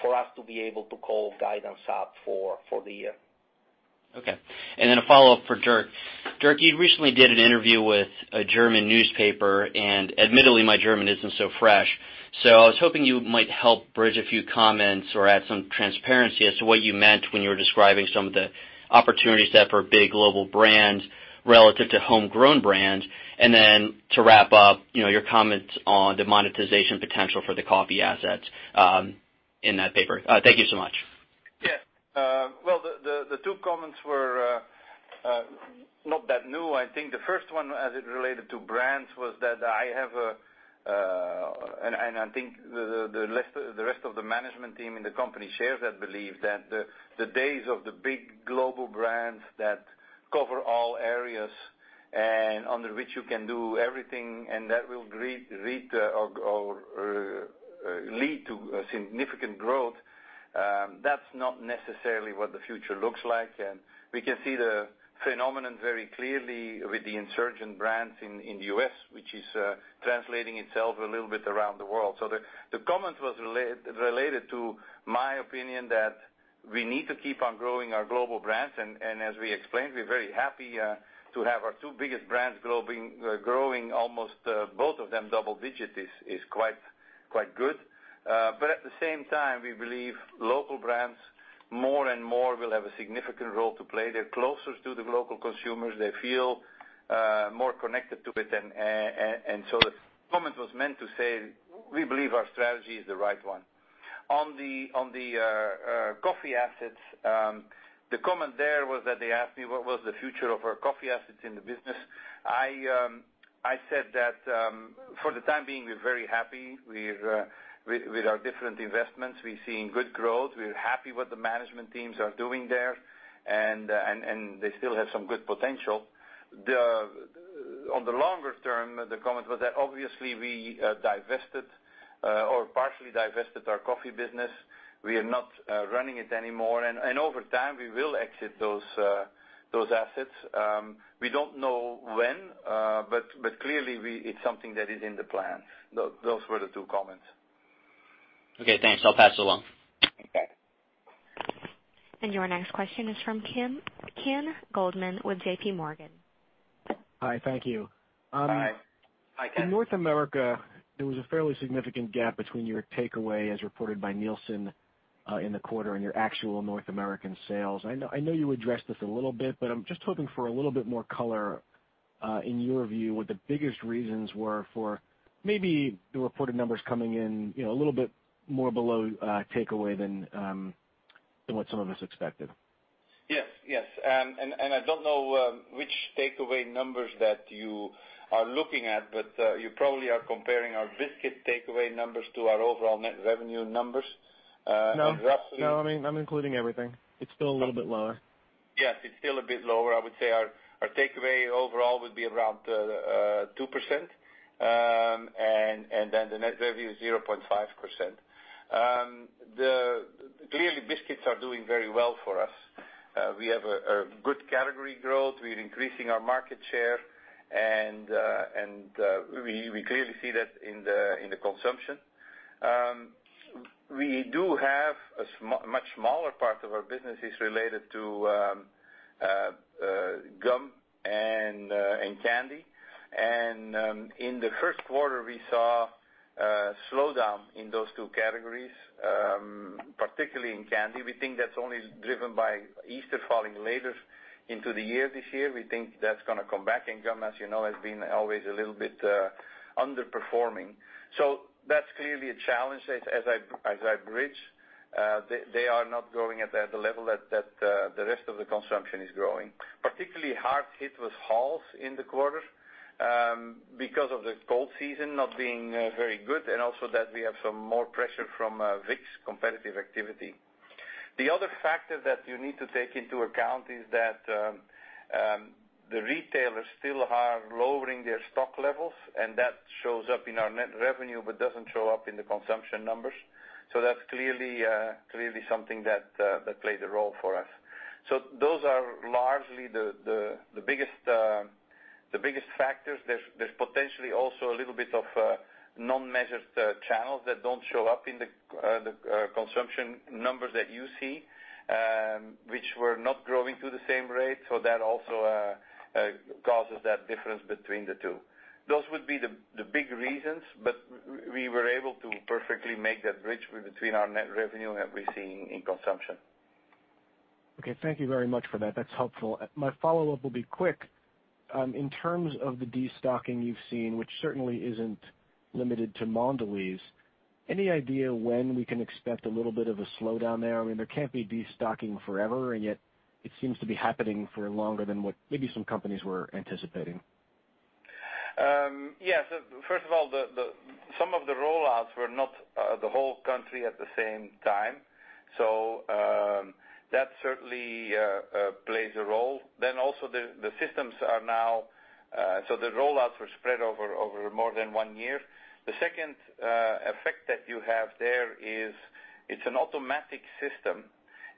for us to be able to call guidance up for the year. Okay. A follow-up for Dirk. Dirk, you recently did an interview with a German newspaper, and admittedly, my German isn't so fresh. I was hoping you might help bridge a few comments or add some transparency as to what you meant when you were describing some of the opportunities there for big global brands relative to homegrown brands. To wrap up, your comments on the monetization potential for the coffee assets in that paper. Thank you so much. Yeah. Well, the two comments were not that new. I think the first one as it related to brands was that I have and I think the rest of the management team in the company shares that belief, that the days of the big global brands that cover all areas and under which you can do everything and that will lead to significant growth, that's not necessarily what the future looks like. We can see the phenomenon very clearly with the insurgent brands in the U.S., which is translating itself a little bit around the world. The comment was related to my opinion that we need to keep on growing our global brands. As we explained, we're very happy to have our two biggest brands growing almost both of them double-digit is quite good. At the same time, we believe local brands more and more will have a significant role to play. They're closer to the local consumers. They feel more connected to it. The comment was meant to say we believe our strategy is the right one. On the coffee assets, the comment there was that they asked me what was the future of our coffee assets in the business. I said that, for the time being, we're very happy with our different investments. We're seeing good growth. We're happy what the management teams are doing there, and they still have some good potential. On the longer term, the comment was that obviously we divested or partially divested our coffee business. We are not running it anymore, and over time, we will exit those assets. We don't know when, but clearly it's something that is in the plan. Those were the two comments. Okay, thanks. I'll pass it along. Okay. Your next question is from Ken Goldman with JPMorgan. Hi. Thank you. Hi. Hi, Ken. In North America, there was a fairly significant gap between your takeaway as reported by Nielsen in the quarter and your actual North American sales. I know you addressed this a little bit, but I'm just hoping for a little bit more color, in your view, what the biggest reasons were for maybe the reported numbers coming in a little bit more below takeaway than what some of us expected. Yes. I don't know which takeaway numbers that you are looking at, but you probably are comparing our biscuit takeaway numbers to our overall net revenue numbers. No, I'm including everything. It's still a little bit lower. Yes, it's still a bit lower. I would say our takeaway overall would be around 2%, and the net revenue is 0.5%. Clearly, biscuits are doing very well for us. We have a good category growth. We're increasing our market share, and we clearly see that in the consumption. We do have a much smaller part of our business is related to gum and candy. In the first quarter, we saw a slowdown in those two categories, particularly in candy. We think that's only driven by Easter falling later into the year this year. We think that's going to come back. Gum, as you know, has been always a little bit underperforming. That's clearly a challenge as I bridge. They are not growing at the level that the rest of the consumption is growing. Particularly hard hit was Halls in the quarter, because of the cold season not being very good, and also that we have some more pressure from Vicks competitive activity. The other factor that you need to take into account is that, the retailers still are lowering their stock levels, and that shows up in our net revenue but doesn't show up in the consumption numbers. That's clearly something that plays a role for us. Those are largely the biggest factors. There's potentially also a little bit of non-measured channels that don't show up in the consumption numbers that you see, which were not growing to the same rate. That also causes that difference between the two. Those would be the big reasons, but we were able to perfectly make that bridge between our net revenue and what we're seeing in consumption. Okay. Thank you very much for that. That's helpful. My follow-up will be quick. In terms of the destocking you've seen, which certainly isn't limited to Mondelēz, any idea when we can expect a little bit of a slowdown there? I mean, there can't be destocking forever, and yet it seems to be happening for longer than what maybe some companies were anticipating. Yes. First of all, some of the roll-outs were not the whole country at the same time. That certainly plays a role. The roll-outs were spread over more than one year. The second effect that you have there is, it's an automatic system,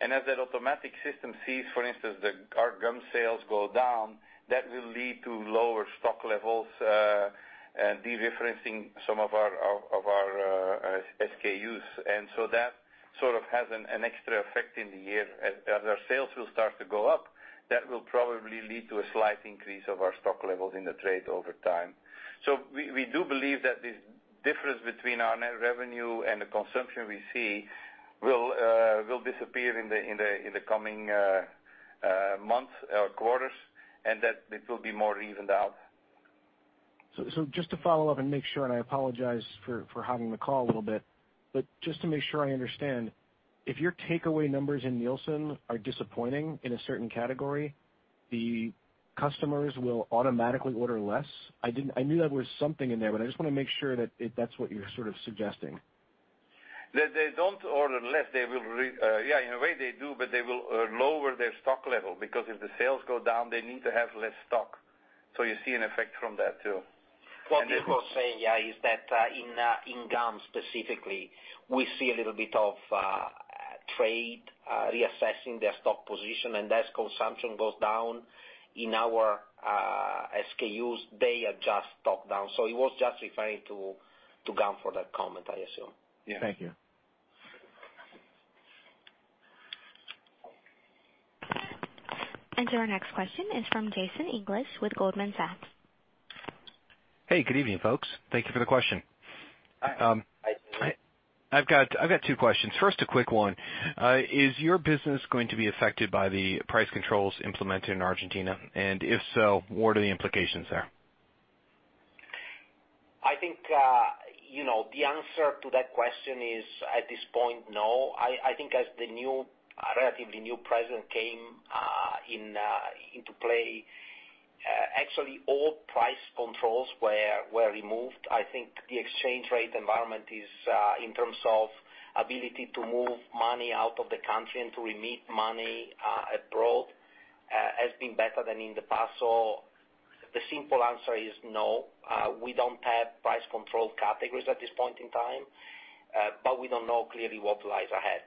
and as that automatic system sees, for instance, our gum sales go down, that will lead to lower stock levels, de-referencing some of our SKUs. That sort of has an extra effect in the year. As our sales will start to go up, that will probably lead to a slight increase of our stock levels in the trade over time. We do believe that this difference between our net revenue and the consumption we see will disappear in the coming months or quarters, and that it will be more evened out. Just to follow up and make sure, and I apologize for hogging the call a little bit. Just to make sure I understand, if your takeaway numbers in Nielsen are disappointing in a certain category, the customers will automatically order less? I knew there was something in there, but I just want to make sure that that's what you're sort of suggesting. They don't order less. In a way they do, but they will lower their stock level, because if the sales go down, they need to have less stock. You see an effect from that, too. What Luca was saying, yeah, is that in gum specifically, we see a little bit of trade reassessing their stock position. As consumption goes down in our SKUs, they adjust stock down. He was just referring to gum for that comment, I assume. Yeah. Thank you. Our next question is from Jason English with Goldman Sachs. Hey, good evening, folks. Thank you for the question. Hi. I've got two questions. First, a quick one. Is your business going to be affected by the price controls implemented in Argentina? If so, what are the implications there? I think, the answer to that question is, at this point, no. I think as the relatively new president came into play, actually all price controls were removed. I think the exchange rate environment is, in terms of ability to move money out of the country and to remit money abroad, has been better than in the past. The simple answer is no. We don't have price-controlled categories at this point in time, but we don't know clearly what lies ahead.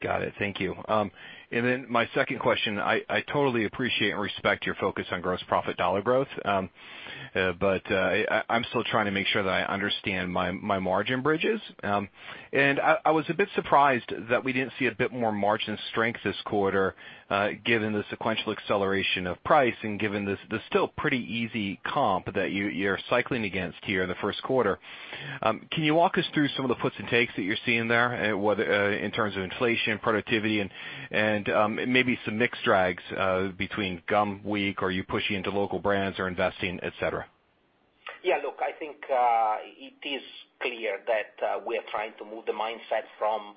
Got it. Thank you. My second question, I totally appreciate and respect your focus on gross profit dollar growth. I'm still trying to make sure that I understand my margin bridges. I was a bit surprised that we didn't see a bit more margin strength this quarter, given the sequential acceleration of price and given the still pretty easy comp that you're cycling against here in the first quarter. Can you walk us through some of the puts and takes that you're seeing there, in terms of inflation, productivity, and maybe some mix drags between gum. Are you pushing into local brands or investing, et cetera? Yeah, look, I think it is clear that we are trying to move the mindset from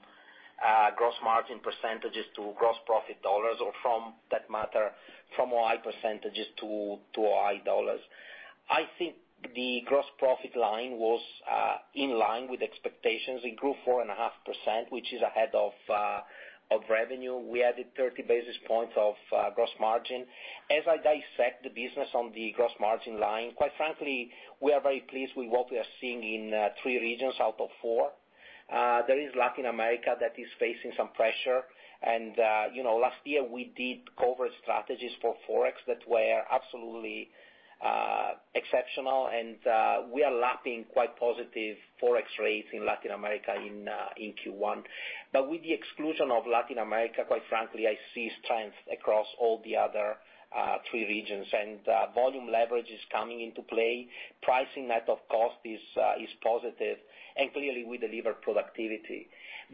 gross margin percentage to gross profit dollars, or for that matter, from OI percent to OI dollars. I think the gross profit line was in line with expectations. It grew 4.5%, which is ahead of revenue. We added 30 basis points of gross margin. As I dissect the business on the gross margin line, quite frankly, we are very pleased with what we are seeing in three regions out of four. There is Latin America that is facing some pressure. Last year, we did cover strategies for Forex that were absolutely exceptional. We are lapping quite positive Forex rates in Latin America in Q1. With the exclusion of Latin America, quite frankly, I see strength across all the other three regions, and volume leverage is coming into play. Pricing net of cost is positive. Clearly, we deliver productivity.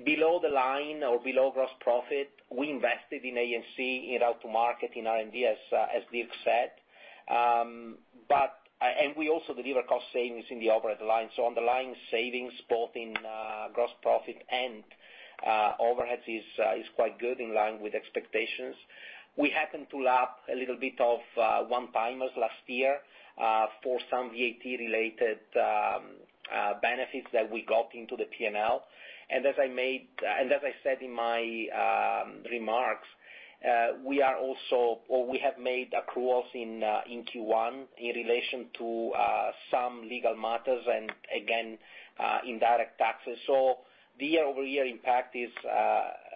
Below the line or below gross profit, we invested in A&C, in go-to-market, in R&D, as Dirk said. We also deliver cost savings in the overhead line. Underlying savings both in gross profit and overheads is quite good, in line with expectations. We happened to lap a little bit of one-timers last year for some VAT-related benefits that we got into the P&L. As I said in my remarks, we have made accruals in Q1 in relation to some legal matters and again, indirect taxes. The year-over-year impact is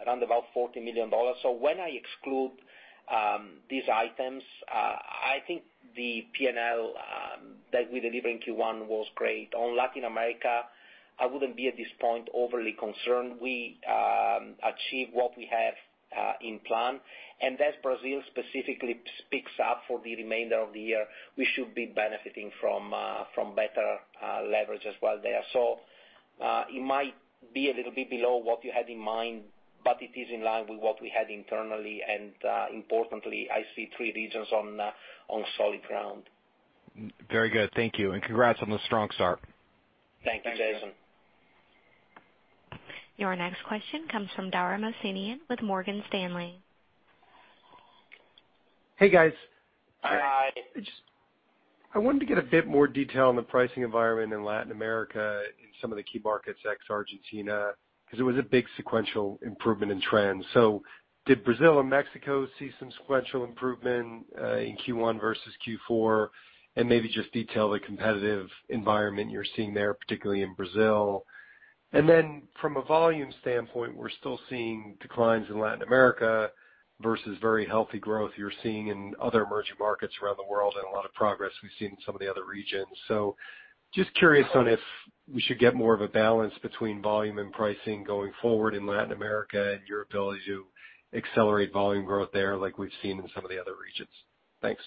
around about $40 million. When I exclude these items, I think the P&L that we delivered in Q1 was great. On Latin America, I wouldn't be at this point overly concerned. We achieved what we have in plan. As Brazil specifically picks up for the remainder of the year, we should be benefiting from better leverage as well there. It might be a little bit below what you had in mind, but it is in line with what we had internally. Importantly, I see three regions on solid ground. Very good. Thank you. Congrats on the strong start. Thank you, Jason. Your next question comes from Dara Mohsenian with Morgan Stanley. Hey, guys. Hi. I wanted to get a bit more detail on the pricing environment in Latin America in some of the key markets ex Argentina, because it was a big sequential improvement in trends. Did Brazil and Mexico see some sequential improvement in Q1 versus Q4? Maybe just detail the competitive environment you're seeing there, particularly in Brazil. From a volume standpoint, we're still seeing declines in Latin America versus very healthy growth you're seeing in other emerging markets around the world and a lot of progress we've seen in some of the other regions. Just curious on if we should get more of a balance between volume and pricing going forward in Latin America and your ability to accelerate volume growth there like we've seen in some of the other regions. Thanks.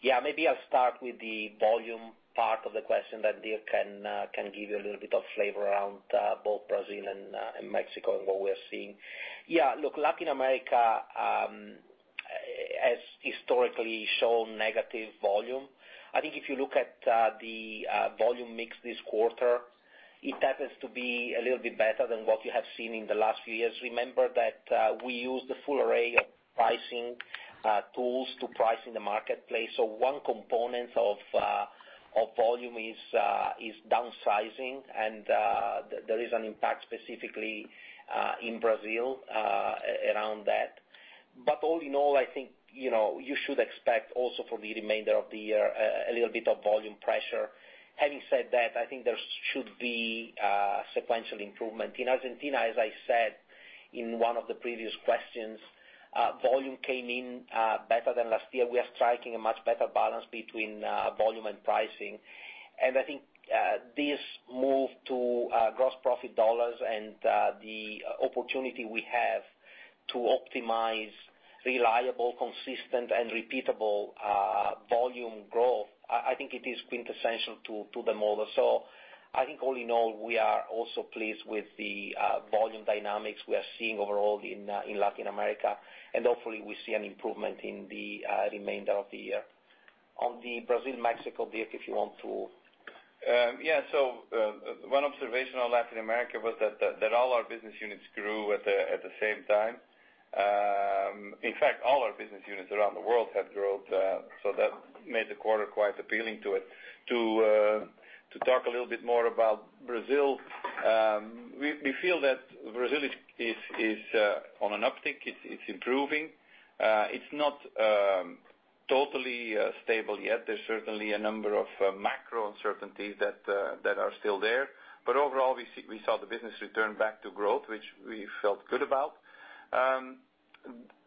Yeah, maybe I'll start with the volume part of the question, Dirk can give you a little bit of flavor around both Brazil and Mexico and what we're seeing. Yeah, look, Latin America has historically shown negative volume. I think if you look at the volume mix this quarter, it happens to be a little bit better than what you have seen in the last few years. Remember that we use the full array of pricing tools to price in the marketplace. One component of volume is downsizing, and there is an impact specifically in Brazil around that. All in all, I think you should expect also for the remainder of the year, a little bit of volume pressure. Having said that, I think there should be a sequential improvement. In Argentina, as I said in one of the previous questions, volume came in better than last year. We are striking a much better balance between volume and pricing. I think this move to gross profit dollars and the opportunity we have to optimize reliable, consistent, and repeatable volume growth, I think it is quintessential to the model. I think all in all, we are also pleased with the volume dynamics we are seeing overall in Latin America. Hopefully, we see an improvement in the remainder of the year. On the Brazil, Mexico bit, if you want to One observation on Latin America was that all our business units grew at the same time. In fact, all our business units around the world had growth, so that made the quarter quite appealing to it. To talk a little bit more about Brazil, we feel that Brazil is on an uptick. It's improving. It's not totally stable yet. There's certainly a number of macro uncertainties that are still there. Overall, we saw the business return back to growth, which we felt good about.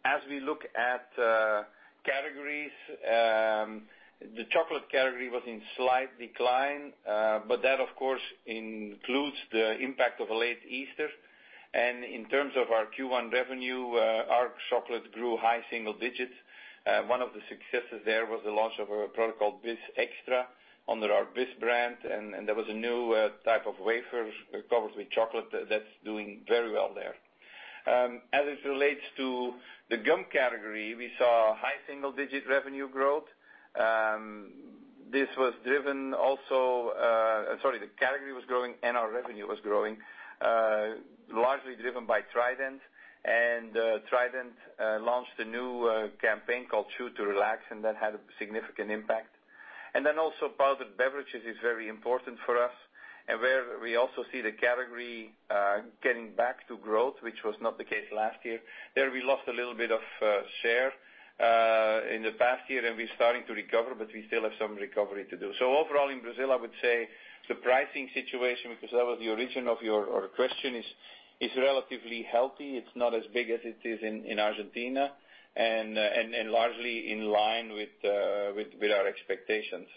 As we look at categories, the chocolate category was in slight decline, but that, of course, includes the impact of a late Easter. In terms of our Q1 revenue, our chocolate grew high single digits. One of the successes there was the launch of a product called Bis Extra under our Bis brand, and that was a new type of wafer covered with chocolate that's doing very well there. As it relates to the gum category, we saw high single-digit revenue growth. The category was growing, and our revenue was growing, largely driven by Trident. Trident launched a new campaign called Chew to Relax, and that had a significant impact. Then also, powdered beverages is very important for us, and where we also see the category getting back to growth, which was not the case last year. There, we lost a little bit of share in the past year, and we're starting to recover, but we still have some recovery to do. Overall in Brazil, I would say the pricing situation, because that was the origin of your question, is relatively healthy. It's not as big as it is in Argentina and largely in line with our expectations.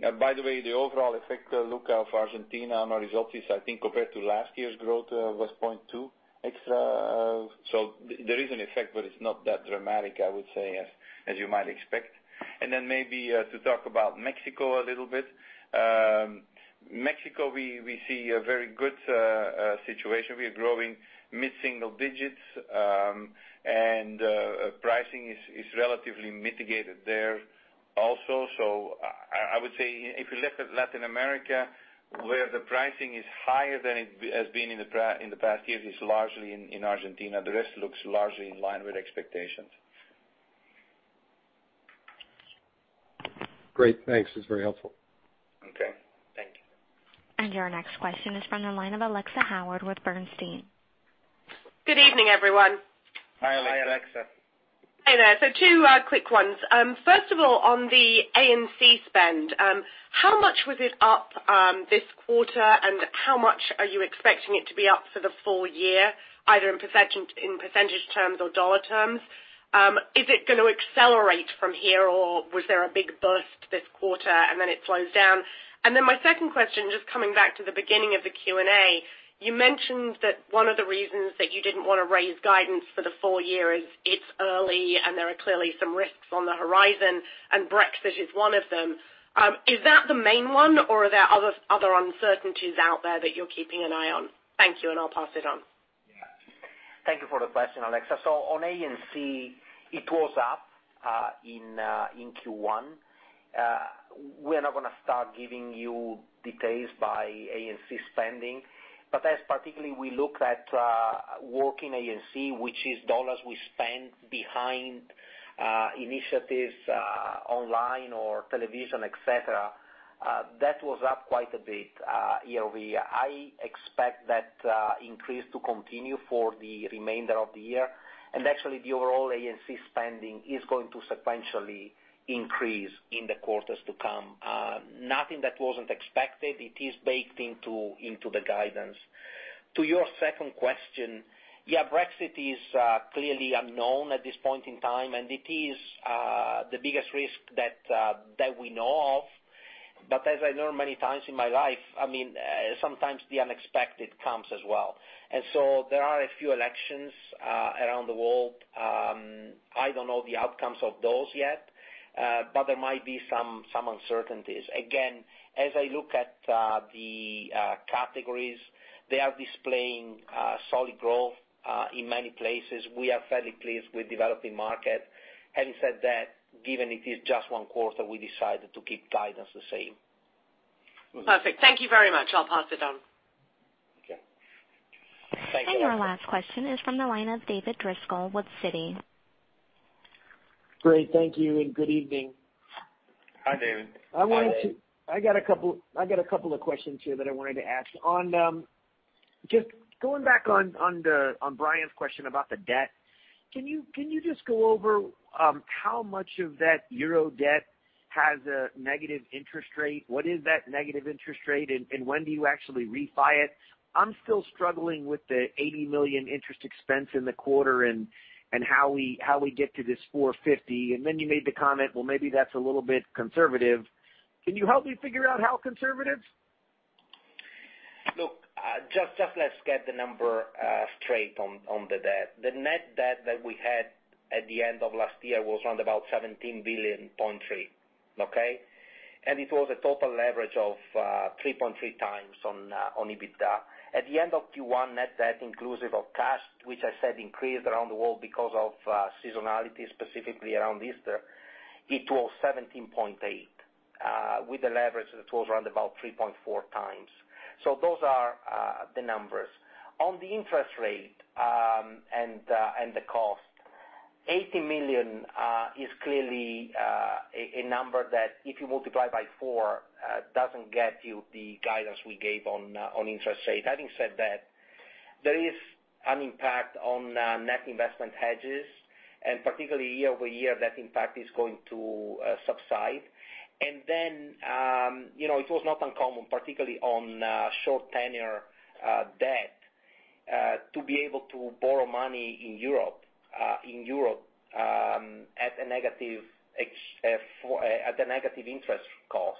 By the way, the overall effect look of Argentina on our results is, I think compared to last year's growth, was 0.2% extra. There is an effect, but it's not that dramatic, I would say, as you might expect. Then maybe to talk about Mexico a little bit. Mexico, we see a very good situation. We are growing mid-single digits, and pricing is relatively mitigated there also. I would say if you look at Latin America, where the pricing is higher than it has been in the past years is largely in Argentina. The rest looks largely in line with expectations. Great. Thanks. It's very helpful. Okay. Thank you. Your next question is from the line of Alexia Howard with Bernstein. Good evening, everyone. Hi, Alexia. Hi, Alexia. Hey there. Two quick ones. First of all, on the A&C spend, how much was it up this quarter, and how much are you expecting it to be up for the full year, either in percentage terms or dollar terms? Is it going to accelerate from here, or was there a big burst this quarter and then it slows down? My second question, just coming back to the beginning of the Q&A, you mentioned that one of the reasons that you didn't want to raise guidance for the full year is it's early and there are clearly some risks on the horizon, and Brexit is one of them. Is that the main one, or are there other uncertainties out there that you're keeping an eye on? Thank you. I'll pass it on. Thank you for the question, Alexia. On A&C, it was up in Q1. We're not going to start giving you details by A&C spending. As particularly we look at working A&C, which is dollars we spend behind initiatives, online or television, et cetera, that was up quite a bit year-over-year. I expect that increase to continue for the remainder of the year. Actually, the overall A&C spending is going to sequentially increase in the quarters to come. Nothing that wasn't expected. It is baked into the guidance. To your second question, Brexit is clearly unknown at this point in time, and it is the biggest risk that we know of. As I learned many times in my life, sometimes the unexpected comes as well. There are a few elections around the world. I don't know the outcomes of those yet, but there might be some uncertainties. Again, as I look at the categories, they are displaying solid growth in many places. We are fairly pleased with developing market. Having said that, given it is just one quarter, we decided to keep guidance the same. Perfect. Thank you very much. I'll pass it on. Okay. Thanks, Alexia. Our last question is from the line of David Driscoll with Citi. Great. Thank you, and good evening. Hi, David. Hi, David. I got a couple of questions here that I wanted to ask. Just going back on Bryan's question about the debt, can you just go over how much of that EUR debt has a negative interest rate? What is that negative interest rate, and when do you actually refi it? I'm still struggling with the $80 million interest expense in the quarter and how we get to this $450 million. You made the comment, "Well, maybe that's a little bit conservative." Can you help me figure out how conservative? Look, just let's get the number straight on the debt. The net debt that we had at the end of last year was around about $17.3 billion, okay? It was a total leverage of 3.3 times on EBITDA. At the end of Q1, net debt inclusive of cash, which I said increased around the world because of seasonality, specifically around Easter, it was $17.8 billion with a leverage that was around about 3.4 times. Those are the numbers. On the interest rate and the cost, $80 million is clearly a number that if you multiply by four, doesn't get you the guidance we gave on interest rate. Having said that, there is an impact on net investment hedges, and particularly year-over-year, that impact is going to subside. It was not uncommon, particularly on short tenure debt, to be able to borrow money in Europe at a negative interest cost.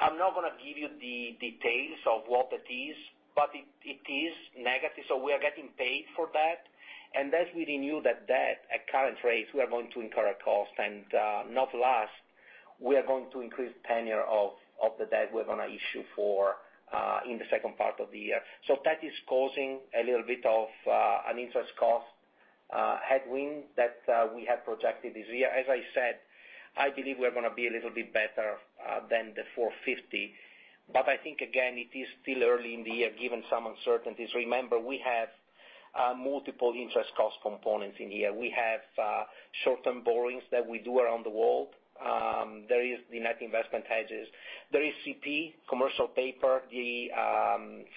I'm not going to give you the details of what it is, but it is negative, so we are getting paid for that. As we renew that debt at current rates, we are going to incur a cost. Not last, we are going to increase tenure of the debt we're going to issue in the second part of the year. That is causing a little bit of an interest cost A headwind that we have projected this year. As I said, I believe we're going to be a little bit better than the $450 million. I think, again, it is still early in the year, given some uncertainties. Remember, we have multiple interest cost components in here. We have short-term borrowings that we do around the world. There is the net investment hedges. There is CP, commercial paper. The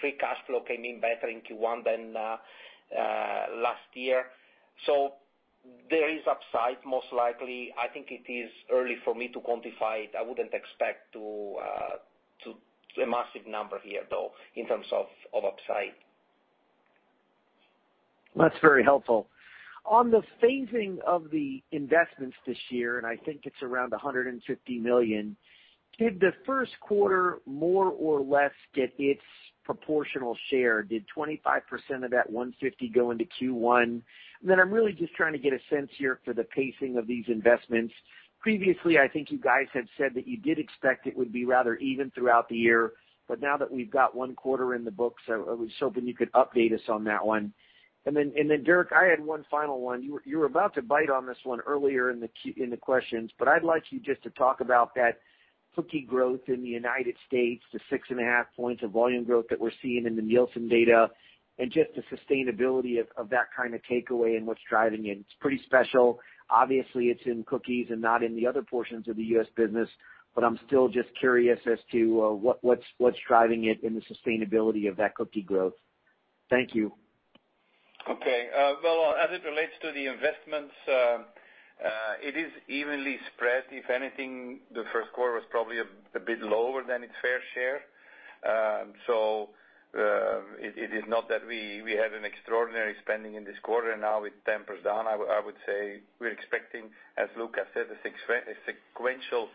free cash flow came in better in Q1 than last year. There is upside, most likely. I think it is early for me to quantify it. I wouldn't expect a massive number here, though, in terms of upside. That's very helpful. On the phasing of the investments this year, I think it's around $150 million. Did the first quarter more or less get its proportional share? Did 25% of that $150 million go into Q1? I'm really just trying to get a sense here for the pacing of these investments. Previously, I think you guys had said that you did expect it would be rather even throughout the year, now that we've got one quarter in the books, I was hoping you could update us on that one. Dirk, I had one final one. Hu were about to bite on this one earlier in the questions, I'd like you just to talk about that cookie growth in the United States, the six and a half points of volume growth that we're seeing in the Nielsen data, and just the sustainability of that kind of takeaway and what's driving it. It's pretty special. Obviously, it's in cookies and not in the other portions of the U.S. business, I'm still just curious as to what's driving it and the sustainability of that cookie growth. Thank you. Okay. Well, as it relates to the investments, it is evenly spread. If anything, the first quarter was probably a bit lower than its fair share. It is not that we had an extraordinary spending in this quarter, and now it tampers down. I would say we're expecting, as Luca said, a sequential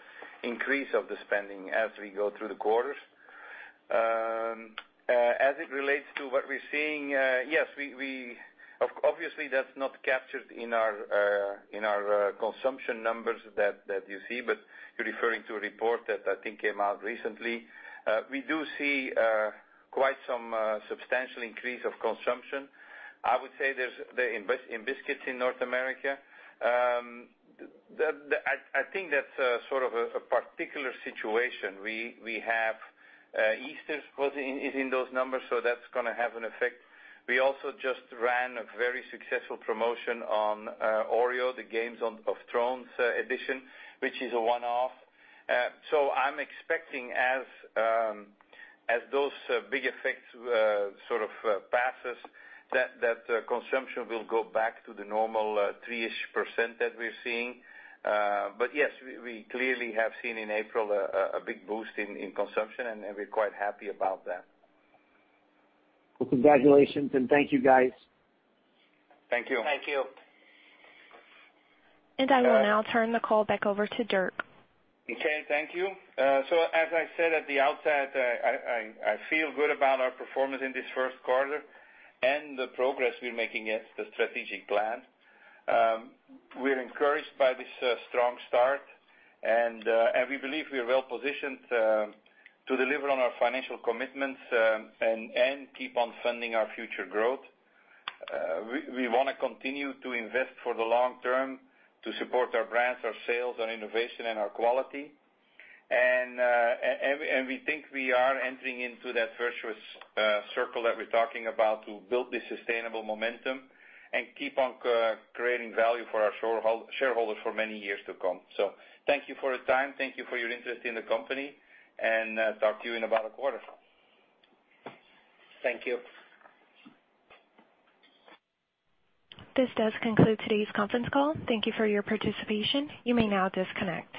increase of the spending as we go through the quarters. As it relates to what we're seeing, yes, obviously that's not captured in our consumption numbers that you see, You're referring to a report that I think came out recently. We do see quite some substantial increase of consumption. I would say in biscuits in North America. I think that's sort of a particular situation. We have Easter is in those numbers, That's going to have an effect. We also just ran a very successful promotion on Oreo, the Game of Thrones edition, which is a one-off. I'm expecting as those big effects sort of passes, that consumption will go back to the normal three-ish% that we're seeing. Yes, we clearly have seen in April a big boost in consumption, and we're quite happy about that. Well, congratulations, and thank you, guys. Thank you. Thank you. I will now turn the call back over to Dirk. Okay, thank you. As I said at the outset, I feel good about our performance in this first quarter and the progress we're making against the strategic plan. We're encouraged by this strong start, and we believe we are well-positioned to deliver on our financial commitments and keep on funding our future growth. We want to continue to invest for the long term to support our brands, our sales, our innovation, and our quality. We think we are entering into that virtuous circle that we're talking about to build this sustainable momentum and keep on creating value for our shareholders for many years to come. Thank you for your time. Thank you for your interest in the company, and talk to you in about a quarter. Thank you. This does conclude today's conference call. Thank you for your participation. You may now disconnect.